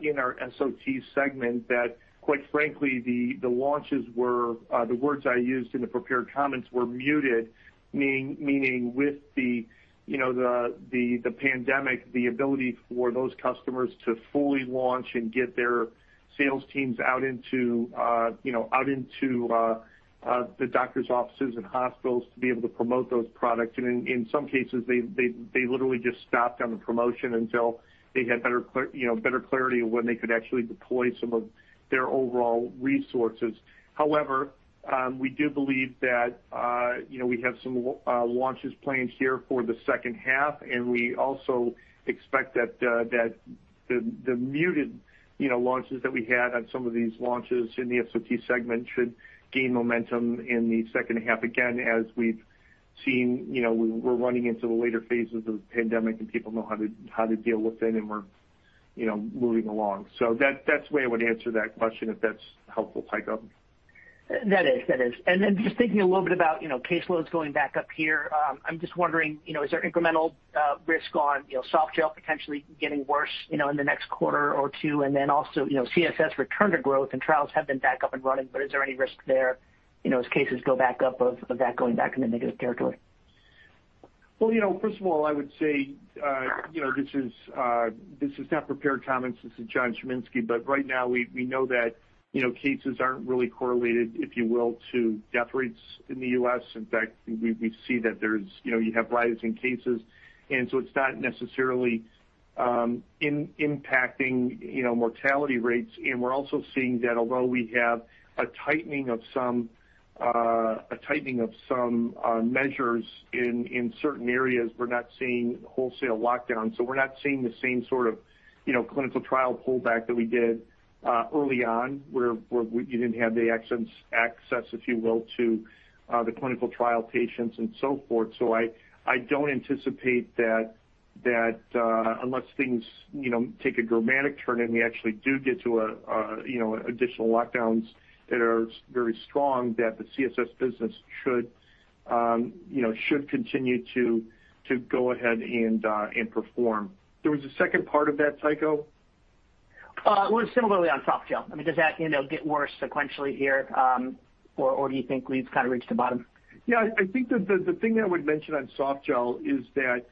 in our SOT segment that, quite frankly, the launches were, the words I used in the prepared comments, were muted, meaning with the pandemic, the ability for those customers to fully launch and get their sales teams out into the doctor's offices and hospitals to be able to promote those products. In some cases, they literally just stopped on the promotion until they had better clarity of when they could actually deploy some of their overall resources. We do believe that we have some launches planned here for the second half, and we also expect that the muted launches that we had on some of these launches in the SOT segment should gain momentum in the second half again, as we've seen, we're running into the later phases of the pandemic, and people know how to deal with it, and we're moving along. That's the way I would answer that question, if that's helpful, Tycho. That is. Just thinking a little bit about caseloads going back up here. I'm just wondering, is there incremental risk on Softgel potentially getting worse in the next quarter or two? Also, CSS return to growth and trials have been back up and running, but is there any risk there, as cases go back up, of that going back into negative territory? Well, first of all, I would say, this is not prepared comments. This is John Chiminski. Right now, we know that cases aren't really correlated, if you will, to death rates in the U.S. In fact, we see that you have rising cases, and so it's not necessarily impacting mortality rates. We're also seeing that although we have a tightening of some measures in certain areas, we're not seeing wholesale lockdown. We're not seeing the same sort of clinical trial pullback that we did early on, where you didn't have the access, if you will, to the clinical trial patients and so forth. I don't anticipate that unless things take a dramatic turn and we actually do get to additional lockdowns that are very strong, that the CSS business should continue to go ahead and perform. There was a second part of that, Tycho? Well, similarly on softgel. I mean, does that get worse sequentially here, or do you think we've kind of reached the bottom? Yeah, I think the thing that I would mention on softgel is that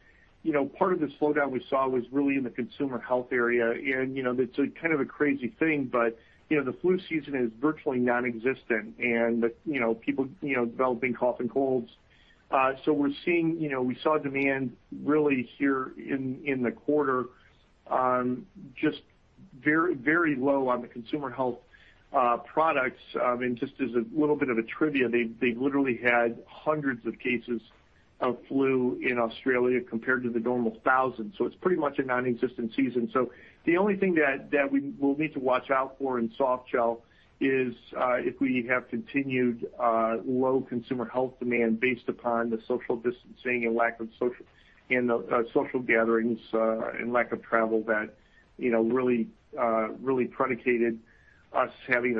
part of the slowdown we saw was really in the consumer health area. It's kind of a crazy thing, but the flu season is virtually nonexistent and people developing cough and colds. We saw demand really here in the quarter just very low on the consumer health products. Just as a little bit of a trivia, they literally had hundreds of cases of flu in Australia compared to the normal thousands. It's pretty much a nonexistent season. The only thing that we will need to watch out for in softgel is if we have continued low consumer health demand based upon the social distancing and lack of social gatherings and lack of travel that really predicated us having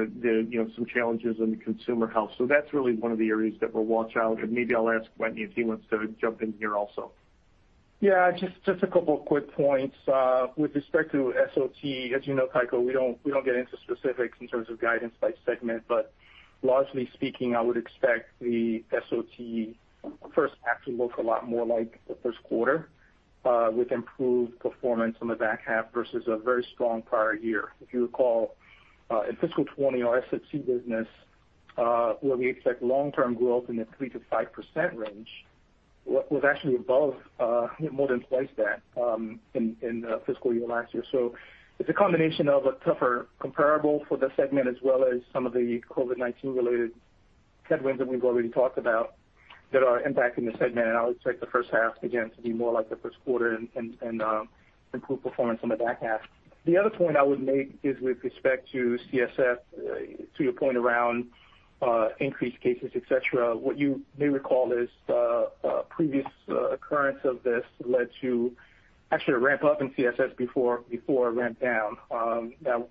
some challenges in the consumer health. That's really one of the areas that we'll watch out. Maybe I'll ask Wetteny if he wants to jump in here also. Yeah, just a couple of quick points. With respect to SOT, as you know, Tycho, we don't get into specifics in terms of guidance by segment, but largely speaking, I would expect the SOT first half to look a lot more like the first quarter, with improved performance in the back half versus a very strong prior year. If you recall, in fiscal 2020, our SOT business where we expect long-term growth in the 3%-5% range, was actually above more than twice that in the fiscal year last year. It's a combination of a tougher comparable for the segment as well as some of the COVID-19 related headwinds that we've already talked about that are impacting the segment. I would expect the first half again to be more like the first quarter and improved performance on the back half. The other point I would make is with respect to CSS, to your point around increased cases, et cetera, what you may recall is previous occurrence of this led to actually a ramp up in CSS before a ramp down.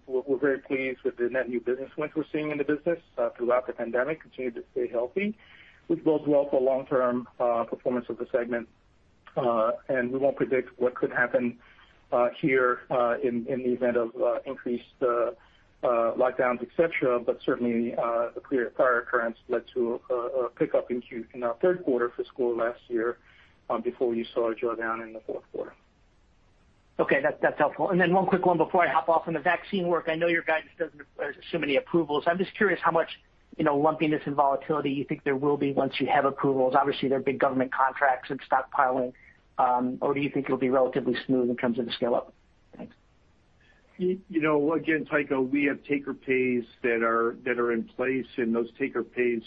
We're very pleased with the net new business wins we're seeing in the business throughout the pandemic, continued to stay healthy, which bodes well for long-term performance of the segment. We won't predict what could happen here in the event of increased lockdowns, et cetera. Certainly, the prior occurrence led to a pickup in our third quarter fiscal last year, before you saw a drawdown in the fourth quarter. Okay, that's helpful. One quick one before I hop off. On the vaccine work, I know your guidance doesn't assume any approvals. I'm just curious how much lumpiness and volatility you think there will be once you have approvals. Obviously, there are big government contracts and stockpiling. Do you think it'll be relatively smooth in terms of the scale-up? Thanks. Again, Tycho, we have take-or-pays that are in place and those take-or-pays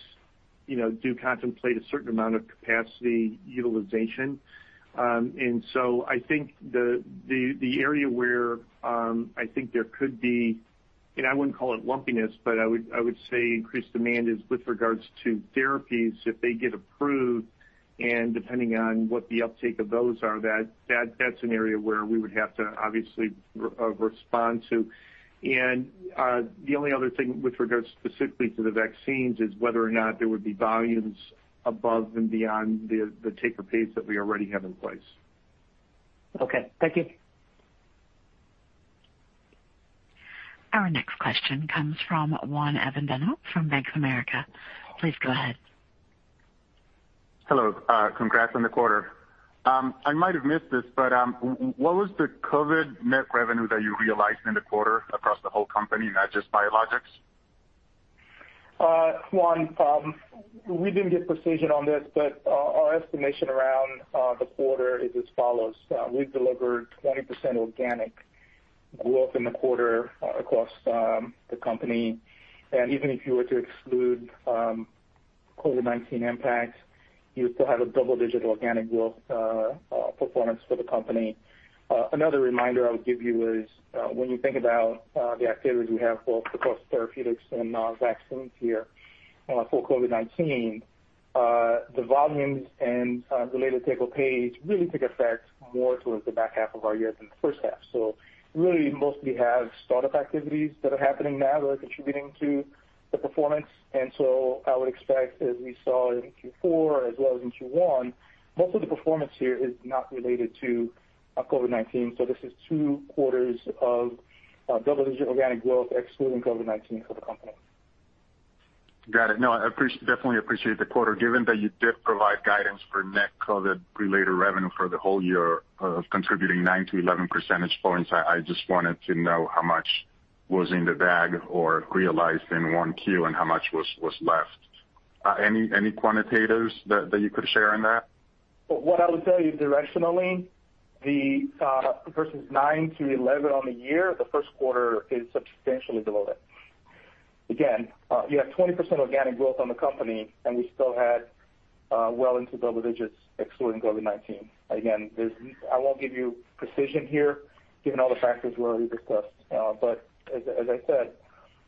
do contemplate a certain amount of capacity utilization. I think the area where I think there could be, and I wouldn't call it lumpiness, but I would say increased demand is with regards to therapies if they get approved and depending on what the uptake of those are, that's an area where we would have to obviously respond to. The only other thing with regards specifically to the vaccines is whether or not there would be volumes above and beyond the take-or-pays that we already have in place. Okay. Thank you. Our next question comes from Juan Avendano from Bank of America. Please go ahead. Hello. Congrats on the quarter. I might have missed this, but what was the COVID net revenue that you realized in the quarter across the whole company, not just Biologics? Juan, we didn't give precision on this, our estimation around the quarter is as follows. We've delivered 20% organic growth in the quarter across the company. Even if you were to exclude COVID-19 impacts, you still have a double-digit organic growth performance for the company. Another reminder I would give you is when you think about the activities we have both across therapeutics and vaccines here for COVID-19, the volumes and related take-or-pays really take effect more towards the back half of our year than the first half. Really, mostly have startup activities that are happening now that are contributing to the performance. I would expect, as we saw in Q4 as well as in Q1, most of the performance here is not related to COVID-19. This is two quarters of double-digit organic growth excluding COVID-19 for the company. Got it. No, I definitely appreciate the quarter. Given that you did provide guidance for net COVID-related revenue for the whole year of contributing 9 percentage points-11 percentage points, I just wanted to know how much was in the bag or realized in 1Q and how much was left. Any quantitatives that you could share on that? What I would tell you directionally, versus 9%-11% on the year, the first quarter is substantially below that. You have 20% organic growth on the company, and we still had well into double digits excluding COVID-19. I won't give you precision here given all the factors we already discussed. As I said,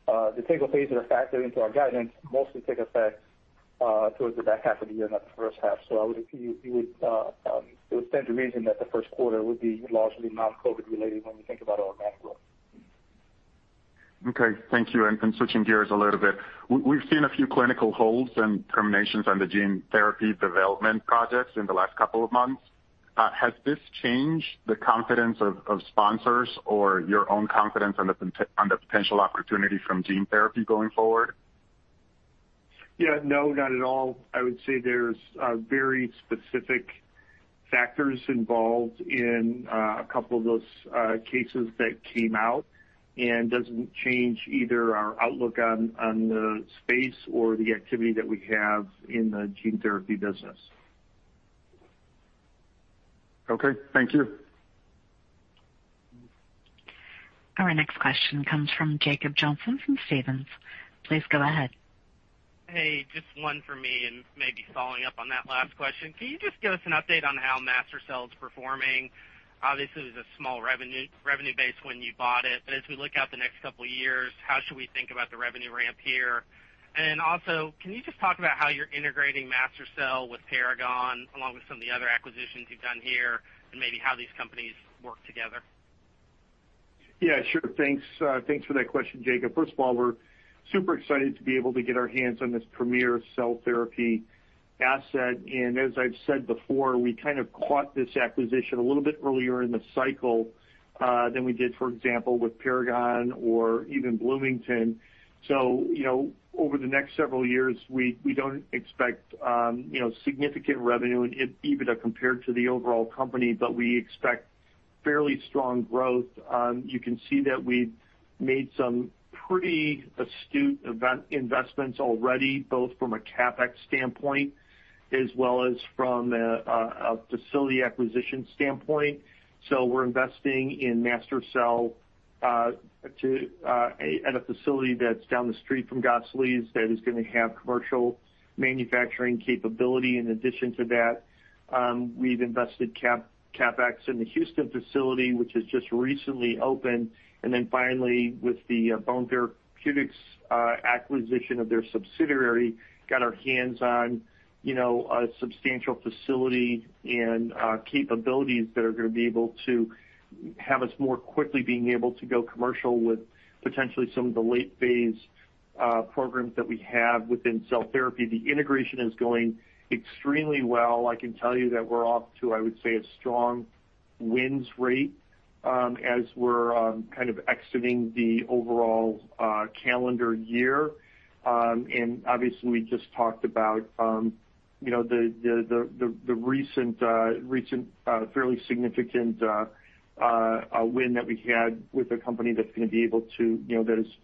the take-or-pay that are factored into our guidance mostly take effect towards the back half of the year, not the first half. It would stand to reason that the first quarter would be largely non-COVID related when we think about our organic growth. Okay. Thank you. Switching gears a little bit. We've seen a few clinical holds and terminations on the gene therapy development projects in the last couple of months. Has this changed the confidence of sponsors or your own confidence on the potential opportunity from gene therapy going forward? Yeah. No, not at all. I would say there's very specific factors involved in a couple of those cases that came out, and doesn't change either our outlook on the space or the activity that we have in the gene therapy business. Okay. Thank you. Our next question comes from Jacob Johnson from Stephens. Please go ahead. Hey, just one for me, maybe following up on that last question. Can you just give us an update on how MaSTherCell is performing? Obviously, it was a small revenue base when you bought it, as we look out the next couple of years, how should we think about the revenue ramp here? Also, can you just talk about how you're integrating MaSTherCell with Paragon along with some of the other acquisitions you've done here, and maybe how these companies work together? Yeah, sure. Thanks for that question, Jacob. First of all, we're super excited to be able to get our hands on this premier cell therapy asset. As I've said before, we kind of caught this acquisition a little bit earlier in the cycle than we did, for example, with Paragon or even Bloomington. Over the next several years, we don't expect significant revenue in EBITDA compared to the overall company, but we expect fairly strong growth. You can see that we've made some pretty astute investments already, both from a CapEx standpoint as well as from a facility acquisition standpoint. We're investing in MaSTherCell at a facility that's down the street from Gosselies that is going to have commercial manufacturing capability. In addition to that, we've invested CapEx in the Houston facility, which has just recently opened. Finally, with the Bone Therapeutics acquisition of their subsidiary, got our hands on a substantial facility and capabilities that are going to be able to have us more quickly being able to go commercial with potentially some of the late-phase programs that we have within cell therapy. The integration is going extremely well. I can tell you that we're off to, I would say, a strong wins rate as we're kind of exiting the overall calendar year. Obviously we just talked about the recent fairly significant win that we had with a company that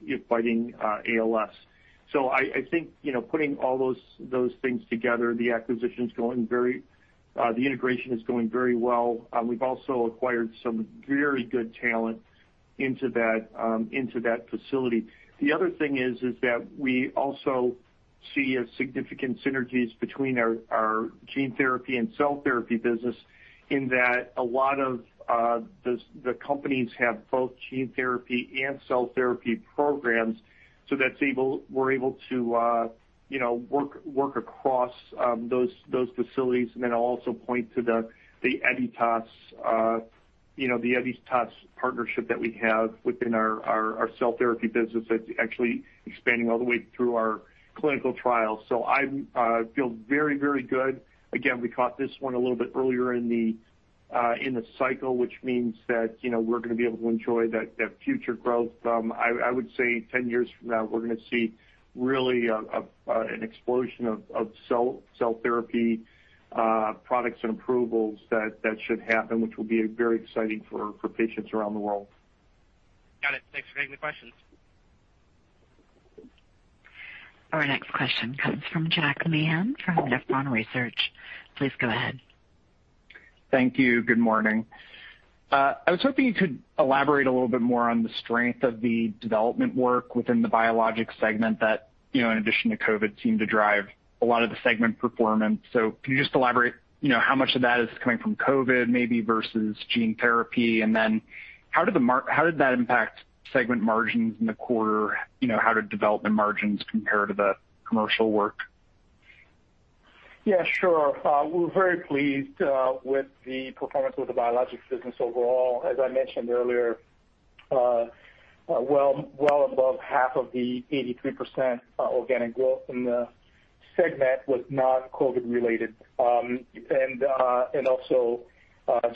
is fighting ALS. I think putting all those things together, the integration is going very well. We've also acquired some very good talent into that facility. The other thing is that we also see significant synergies between our gene therapy and cell therapy business in that a lot of the companies have both gene therapy and cell therapy programs, we're able to work across those facilities. I'll also point to the Editas partnership that we have within our cell therapy business that's actually expanding all the way through our clinical trials. I feel very good. Again, we caught this one a little bit earlier in the cycle, which means that we're going to be able to enjoy that future growth. I would say 10 years from now, we're going to see really an explosion of cell therapy products and approvals that should happen, which will be very exciting for patients around the world. Got it. Thanks for taking the questions. Our next question comes from Jack Meehan from Nephron Research. Please go ahead. Thank you. Good morning. I was hoping you could elaborate a little bit more on the strength of the development work within the Biologics segment that, in addition to COVID, seemed to drive a lot of the segment performance. Can you just elaborate, how much of that is coming from COVID maybe versus gene therapy, and then how did that impact segment margins in the quarter? How did development margins compare to the commercial work? Yeah, sure. We're very pleased with the performance with the Biologics business overall. As I mentioned earlier, well above half of the 83% organic growth in the segment was not COVID related. Also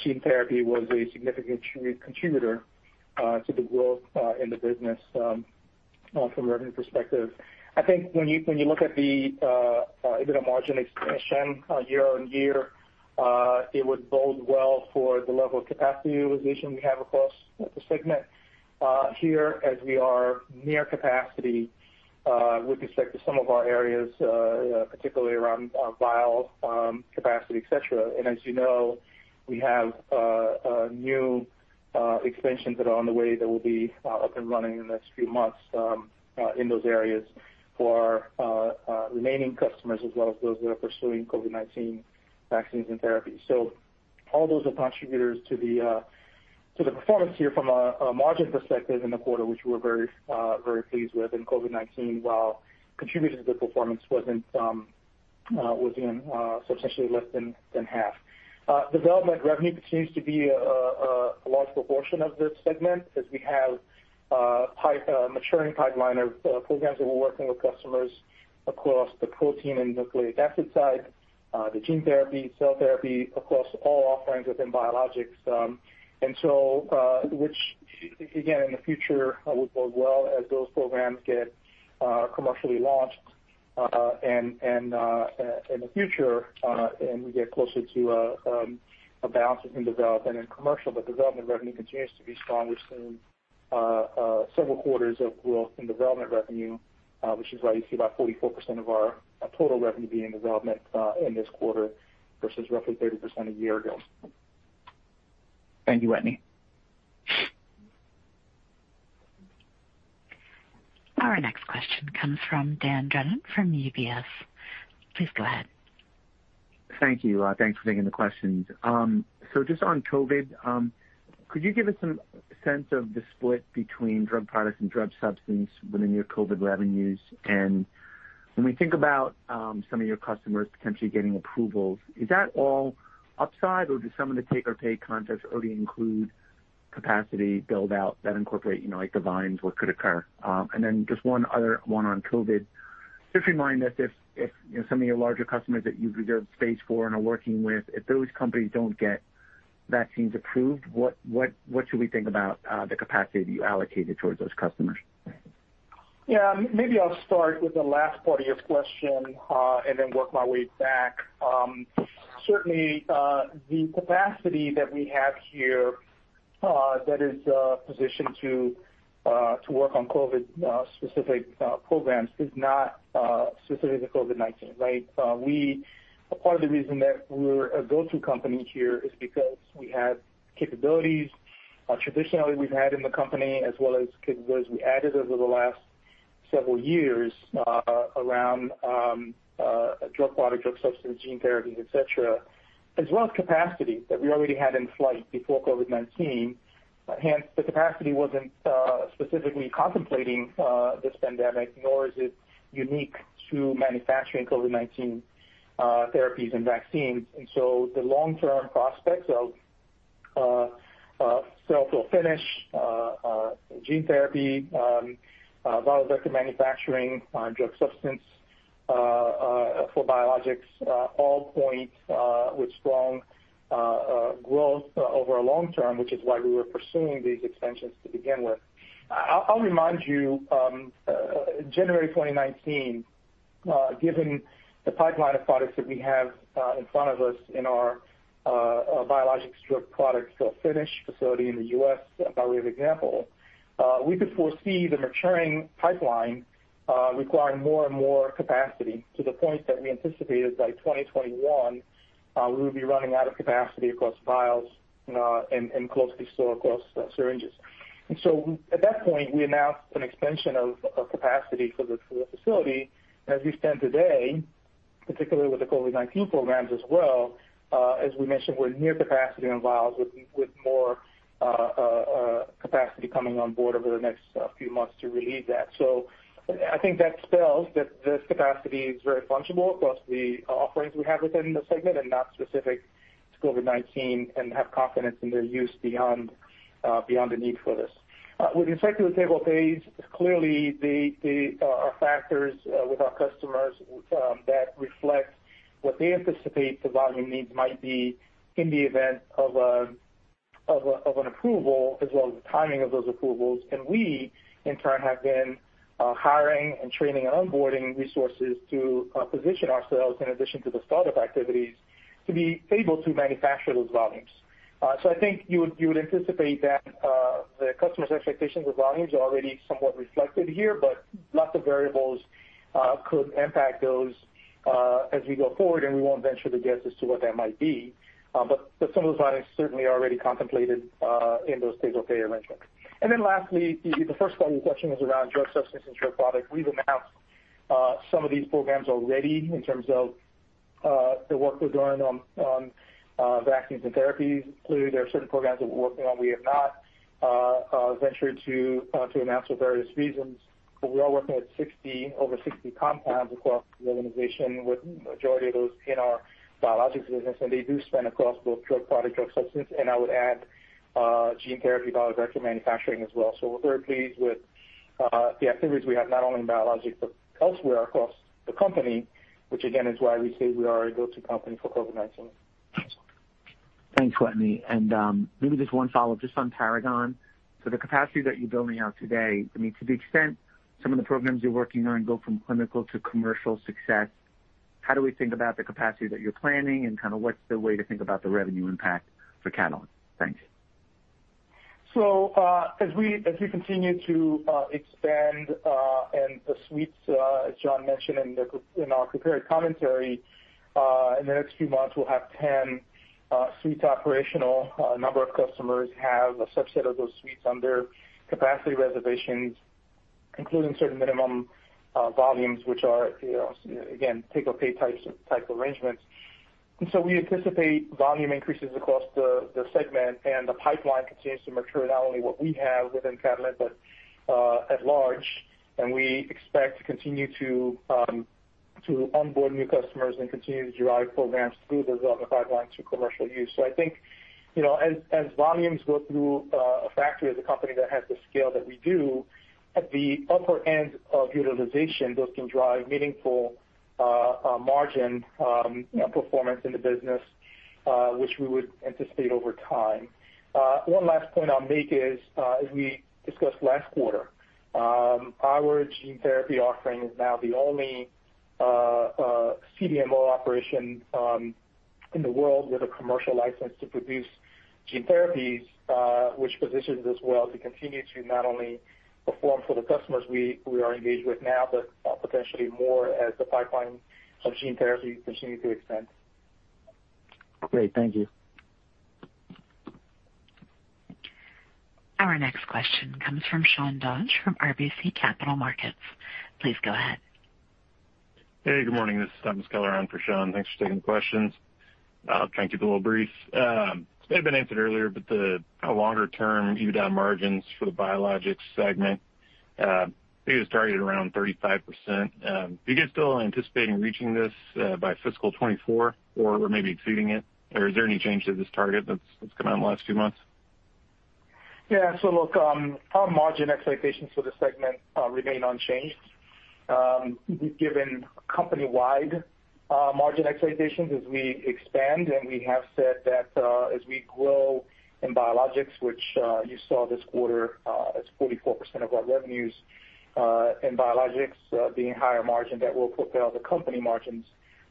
gene therapy was a significant contributor to the growth in the business from a revenue perspective. I think when you look at the EBITDA margin expansion year-on-year, it would bode well for the level of capacity utilization we have across the segment here as we are near capacity with respect to some of our areas, particularly around vial capacity, et cetera. As you know, we have new expansions that are on the way that will be up and running in the next few months in those areas for our remaining customers as well as those that are pursuing COVID-19 vaccines and therapies. All those are contributors to the performance here from a margin perspective in the quarter, which we're very pleased with. COVID-19, while contributing to the performance, was in substantially less than half. Development revenue continues to be a large proportion of this segment as we have maturing pipeline of programs that we're working with customers across the protein and nucleic acid side, the gene therapy, cell therapy, across all offerings within Biologics. Which, again, in the future would bode well as those programs get commercially launched and in the future and we get closer to a balance between development and commercial. Development revenue continues to be strong. We're seeing several quarters of growth in development revenue, which is why you see about 44% of our total revenue being development in this quarter versus roughly 30% a year ago. Thank you, Wetteny. Our next question comes from Dan Brennan from UBS. Please go ahead. Thank you. Thanks for taking the questions. Just on COVID, could you give us some sense of the split between drug products and drug substance within your COVID revenues? When we think about some of your customers potentially getting approvals, is that all upside or do some of the take-or-pay contracts already include capacity build-out that incorporate, like the volumes, what could occur? Then just one other one on COVID. Just remind us if some of your larger customers that you've reserved stage 4 and are working with, if those companies don't get vaccines approved, what should we think about the capacity that you allocated towards those customers? Yeah. Maybe I'll start with the last part of your question and then work my way back. Certainly, the capacity that we have here that is positioned to work on COVID-specific programs is not specific to COVID-19, right? Part of the reason that we're a go-to company here is because we have capabilities traditionally we've had in the company as well as capabilities we added over the last several years around drug product, drug substance, gene therapy, et cetera, as well as capacity that we already had in flight before COVID-19. The capacity wasn't specifically contemplating this pandemic, nor is it unique to manufacturing COVID-19 therapies and vaccines. The long-term prospects of fill-to-finish, gene therapy, viral vector manufacturing, drug substance for Biologics all point with strong growth over a long term, which is why we were pursuing these expansions to begin with. I'll remind you, January 2019, given the pipeline of products that we have in front of us in our biologics drug product fill-finish facility in the U.S., by way of example, we could foresee the maturing pipeline requiring more and more capacity to the point that we anticipated by 2021, we would be running out of capacity across vials and closely so across syringes. At that point, we announced an expansion of capacity for the facility as we stand today, particularly with the COVID-19 programs as well. As we mentioned, we're near capacity on vials with more capacity coming on board over the next few months to relieve that. I think that spells that this capacity is very fungible across the offerings we have within the segment and not specific to COVID-19 and have confidence in their use beyond the need for this. With respect to the take-or-pays, clearly there are factors with our customers that reflect what they anticipate the volume needs might be in the event of Of an approval as well as the timing of those approvals. We, in turn, have been hiring and training and onboarding resources to position ourselves in addition to the startup activities to be able to manufacture those volumes. I think you would anticipate that the customers' expectations with volumes are already somewhat reflected here, but lots of variables could impact those as we go forward, and we won't venture to guess as to what that might be. Some of those volumes certainly are already contemplated in those take-or-pay arrangements. Lastly, the first part of your question was around drug substance and drug product. We've announced some of these programs already in terms of the work we're doing on vaccines and therapies. Clearly, there are certain programs that we're working on we have not ventured to announce for various reasons. We are working with over 60 compounds across the organization, with the majority of those in our Biologics business, and they do span across both drug product, drug substance, and I would add gene therapy, viral vector manufacturing as well. We're very pleased with the activities we have, not only in Biologics, but elsewhere across the company, which again, is why we say we are a go-to company for COVID-19. Thanks, Wetteny. Maybe just one follow-up just on Paragon. The capacity that you're building out today, to the extent some of the programs you're working on go from clinical to commercial success, how do we think about the capacity that you're planning and what's the way to think about the revenue impact for Catalent? Thanks. As we continue to expand and the suites, as John mentioned in our prepared commentary, in the next few months we'll have 10 suites operational. A number of customers have a subset of those suites under capacity reservations, including certain minimum volumes, which are, again, take-or-pay type arrangements. We anticipate volume increases across the segment and the pipeline continues to mature, not only what we have within Catalent, but at large. We expect to continue to onboard new customers and continue to drive programs through the development pipeline to commercial use. I think as volumes go through a factory as a company that has the scale that we do, at the upper end of utilization, those can drive meaningful margin performance in the business, which we would anticipate over time. One last point I'll make is as we discussed last quarter, our gene therapy offering is now the only CDMO operation in the world with a commercial license to produce gene therapies, which positions us well to continue to not only perform for the customers we are engaged with now, but potentially more as the pipeline of gene therapy continues to expand. Great. Thank you. Our next question comes from Sean Dodge from RBC Capital Markets. Please go ahead. Hey, good morning. This is Sean. Thanks for taking the questions. I'll try and keep it a little brief. It may have been answered earlier, the longer-term EBITDA margins for the Biologics segment, I think it was targeted around 35%. Do you guys still anticipating reaching this by fiscal 2024 or maybe exceeding it? Is there any change to this target that's come out in the last few months? Look, our margin expectations for the segment remain unchanged. We've given company-wide margin expectations as we expand, and we have said that as we grow in Biologics, which you saw this quarter as 44% of our revenues in Biologics being higher margin, that will propel the company margins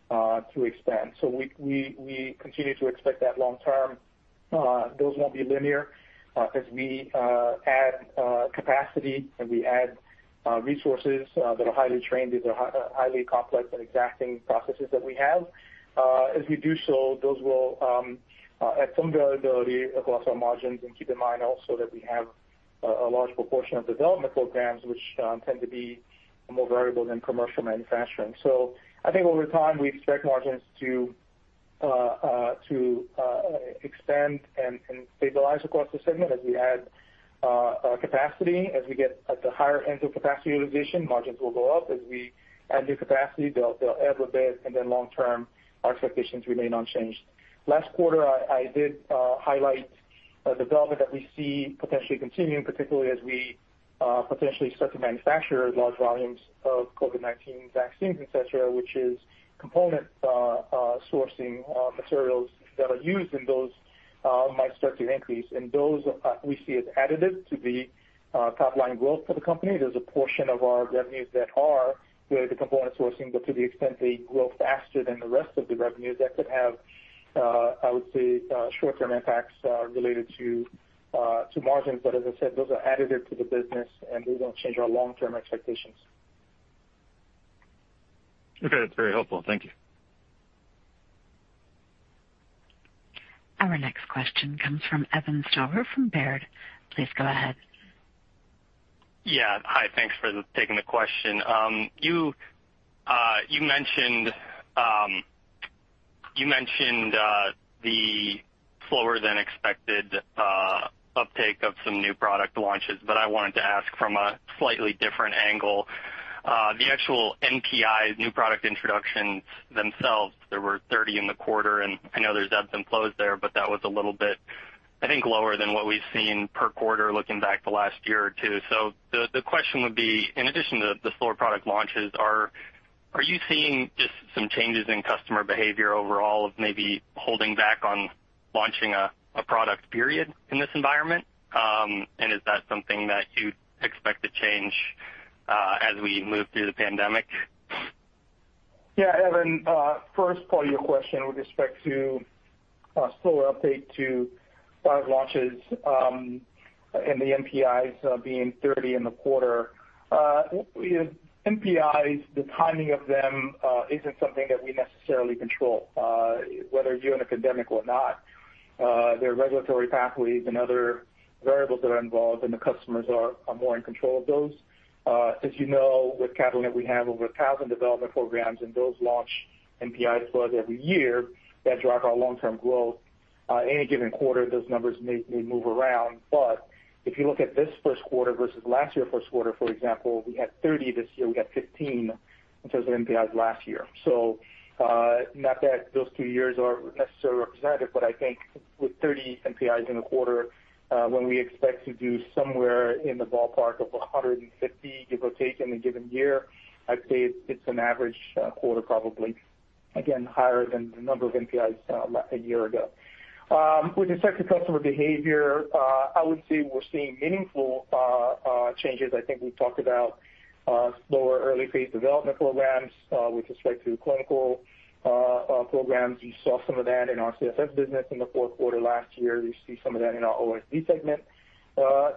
to expand. We continue to expect that long term. Those won't be linear as we add capacity and we add resources that are highly trained. These are highly complex and exacting processes that we have. As we do so, those will add some variability across our margins. Keep in mind also that we have a large proportion of development programs which tend to be more variable than commercial manufacturing. I think over time, we expect margins to expand and stabilize across the segment as we add capacity. As we get at the higher end of capacity utilization, margins will go up. As we add new capacity, they'll ebb a bit, and then long term, our expectations remain unchanged. Last quarter, I did highlight the development that we see potentially continuing, particularly as we potentially start to manufacture large volumes of COVID-19 vaccines, et cetera, which is component sourcing materials that are used in those might start to increase. Those we see as additive to the top-line growth for the company. There's a portion of our revenues that are related to component sourcing, but to the extent they grow faster than the rest of the revenues, that could have, I would say, short-term impacts related to margins. As I said, those are additive to the business and they don't change our long-term expectations. Okay. That's very helpful. Thank you. Our next question comes from Evan Stover from Baird. Please go ahead. Yeah. Hi, thanks for taking the question. You mentioned the slower-than-expected uptake of some new product launches. I wanted to ask from a slightly different angle. The actual NPI, new product introductions themselves, there were 30 in the quarter, and I know there's ebbs and flows there, but that was a little bit, I think, lower than what we've seen per quarter looking back the last year or two. The question would be, in addition to the slower product launches, are you seeing just some changes in customer behavior overall of maybe holding back on launching a product period in this environment? Is that something that you expect to change as we move through the pandemic? Yeah, Evan, first part of your question with respect to a slower update to product launches and the NPIs being 30 in the quarter. NPIs, the timing of them isn't something that we necessarily control, whether you're in a pandemic or not. There are regulatory pathways and other variables that are involved, and the customers are more in control of those. As you know, with Catalent, we have over 1,000 development programs and those launch NPIs for us every year that drive our long-term growth. Any given quarter, those numbers may move around. If you look at this first quarter versus last year first quarter, for example, we had 30 this year, we had 15 in terms of NPIs last year. Not that those two years are necessarily representative, but I think with 30 NPIs in a quarter, when we expect to do somewhere in the ballpark of 150 launches in a given year, I'd say it's an average quarter probably. Again, higher than the number of NPIs a year ago. With respect to customer behavior, I would say we're seeing meaningful changes. I think we talked about slower early-phase development programs with respect to clinical programs. You saw some of that in our CSS business in the fourth quarter last year. You see some of that in our OSD segment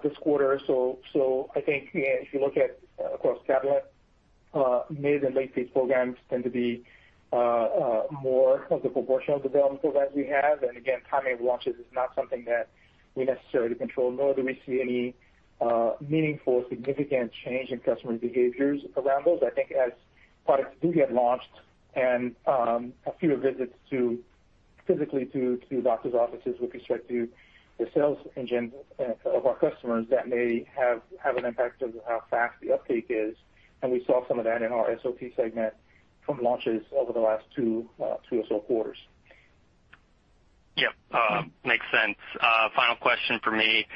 this quarter. I think if you look at, across Catalent, mid- and late-phase programs tend to be more of the proportional development programs we have. Again, timing of launches is not something that we necessarily control, nor do we see any meaningful, significant change in customer behaviors around those. I think as products do get launched and a fewer visits physically to doctors' offices with respect to the sales engine of our customers, that may have an impact of how fast the uptake is. We saw some of that in our SOT segment from launches over the last two or so quarters. Yep. Makes sense. Final question from me.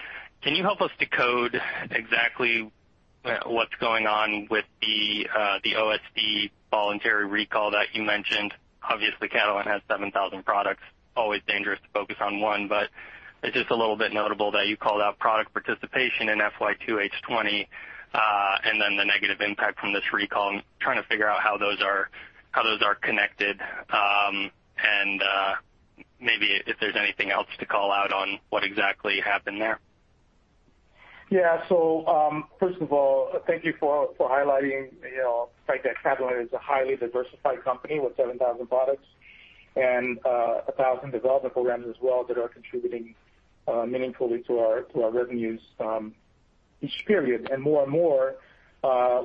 Can you help us decode exactly what's going on with the OSD voluntary recall that you mentioned? Obviously, Catalent has 7,000 products, always dangerous to focus on one, but it's just a little bit notable that you called out product participation in FY H2 2020, and then the negative impact from this recall. I'm trying to figure out how those are connected, and maybe if there's anything else to call out on what exactly happened there. First of all, thank you for highlighting the fact that Catalent is a highly diversified company with 7,000 products and 1,000 development programs as well that are contributing meaningfully to our revenues each period. More and more,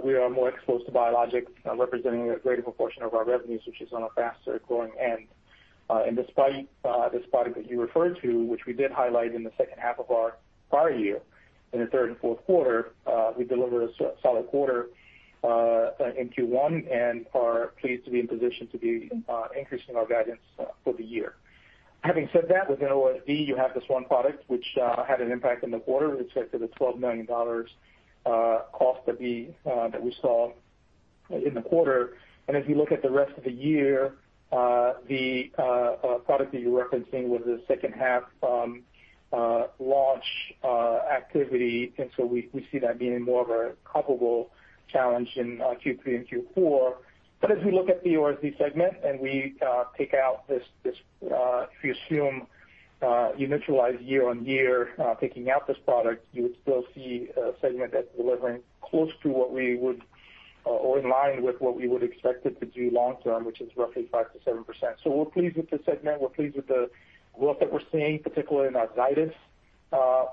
we are more exposed to biologics representing a greater proportion of our revenues, which is on a faster growing end. Despite this product that you referred to, which we did highlight in the second half of our prior year, in the third and fourth quarter, we delivered a solid quarter in Q1 and are pleased to be in position to be increasing our guidance for the year. Having said that, within OSD, you have this one product which had an impact in the quarter with respect to the $12 million cost that we saw in the quarter. If you look at the rest of the year, the product that you're referencing was a second half launch activity, so we see that being more of a comparable challenge in Q3 and Q4. As we look at the OSD segment and we take out this, if you assume, you neutralize year-on-year, taking out this product, you would still see a segment that's delivering close to what we would or in line with what we would expect it to do long term, which is roughly 5% to 7%. We're pleased with the segment. We're pleased with the growth that we're seeing, particularly in our Zydis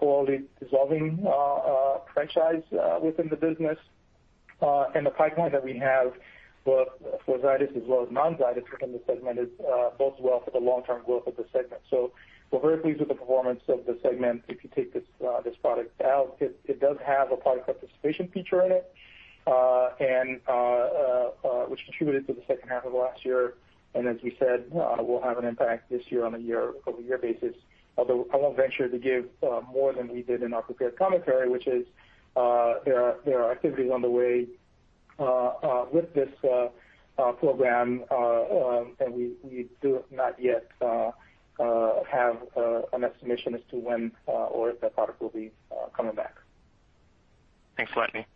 orally dissolving franchise within the business. The pipeline that we have both for Zydis as well as non-Zydis within the segment is bodes well for the long-term growth of the segment. We're very pleased with the performance of the segment. If you take this product out, it does have a product participation feature in it, which contributed to the second half of last year and, as we said, will have an impact this year on a year-over-year basis. Although I won't venture to give more than we did in our prepared commentary, which is there are activities on the way with this program, and we do not yet have an estimation as to when or if that product will be coming back. Thanks a lot, Wetteny. This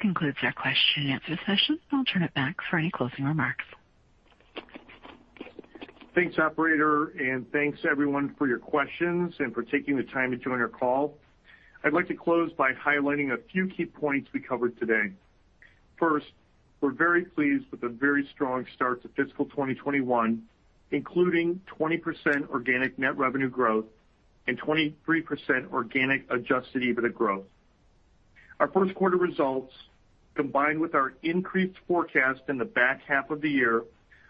concludes our question and answer session. I'll turn it back for any closing remarks. Thanks, operator, and thanks everyone for your questions and for taking the time to join our call. I'd like to close by highlighting a few key points we covered today. First, we're very pleased with the very strong start to fiscal 2021, including 20% organic net revenue growth and 23% organic adjusted EBITDA growth. Our first quarter results, combined with our increased forecast in the back half of the year,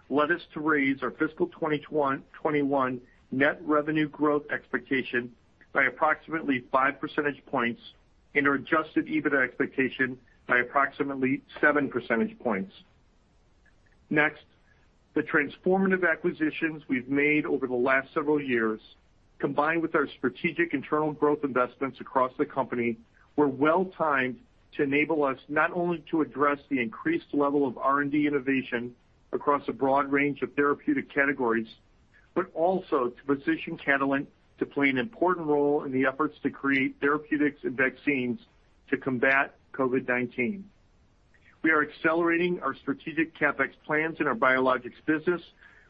led us to raise our fiscal 2021 net revenue growth expectation by approximately five percentage points and our adjusted EBITDA expectation by approximately seven percentage points. Next, the transformative acquisitions we've made over the last several years, combined with our strategic internal growth investments across the company, were well-timed to enable us not only to address the increased level of R&D innovation across a broad range of therapeutic categories, but also to position Catalent to play an important role in the efforts to create therapeutics and vaccines to combat COVID-19. We are accelerating our strategic CapEx plans in our Biologics business,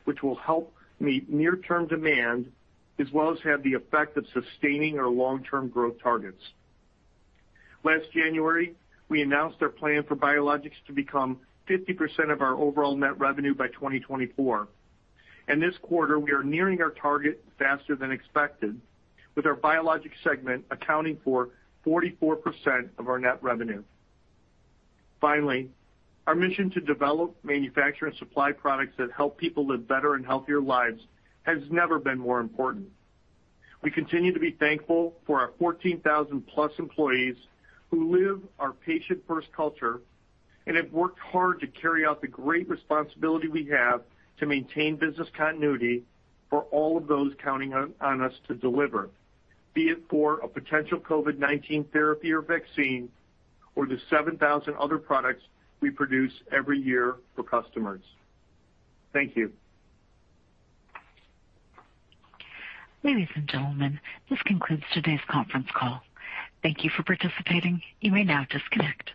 which will help meet near-term demand as well as have the effect of sustaining our long-term growth targets. Last January, we announced our plan for Biologics to become 50% of our overall net revenue by 2024. In this quarter, we are nearing our target faster than expected, with our Biologics segment accounting for 44% of our net revenue. Finally, our mission to develop, manufacture, and supply products that help people live better and healthier lives has never been more important. We continue to be thankful for our 14,000 plus employees who live our patient-first culture and have worked hard to carry out the great responsibility we have to maintain business continuity for all of those counting on us to deliver, be it for a potential COVID-19 therapy or vaccine or the 7,000 other products we produce every year for customers. Thank you. Ladies and gentlemen, this concludes today's conference call. Thank you for participating. You may now disconnect.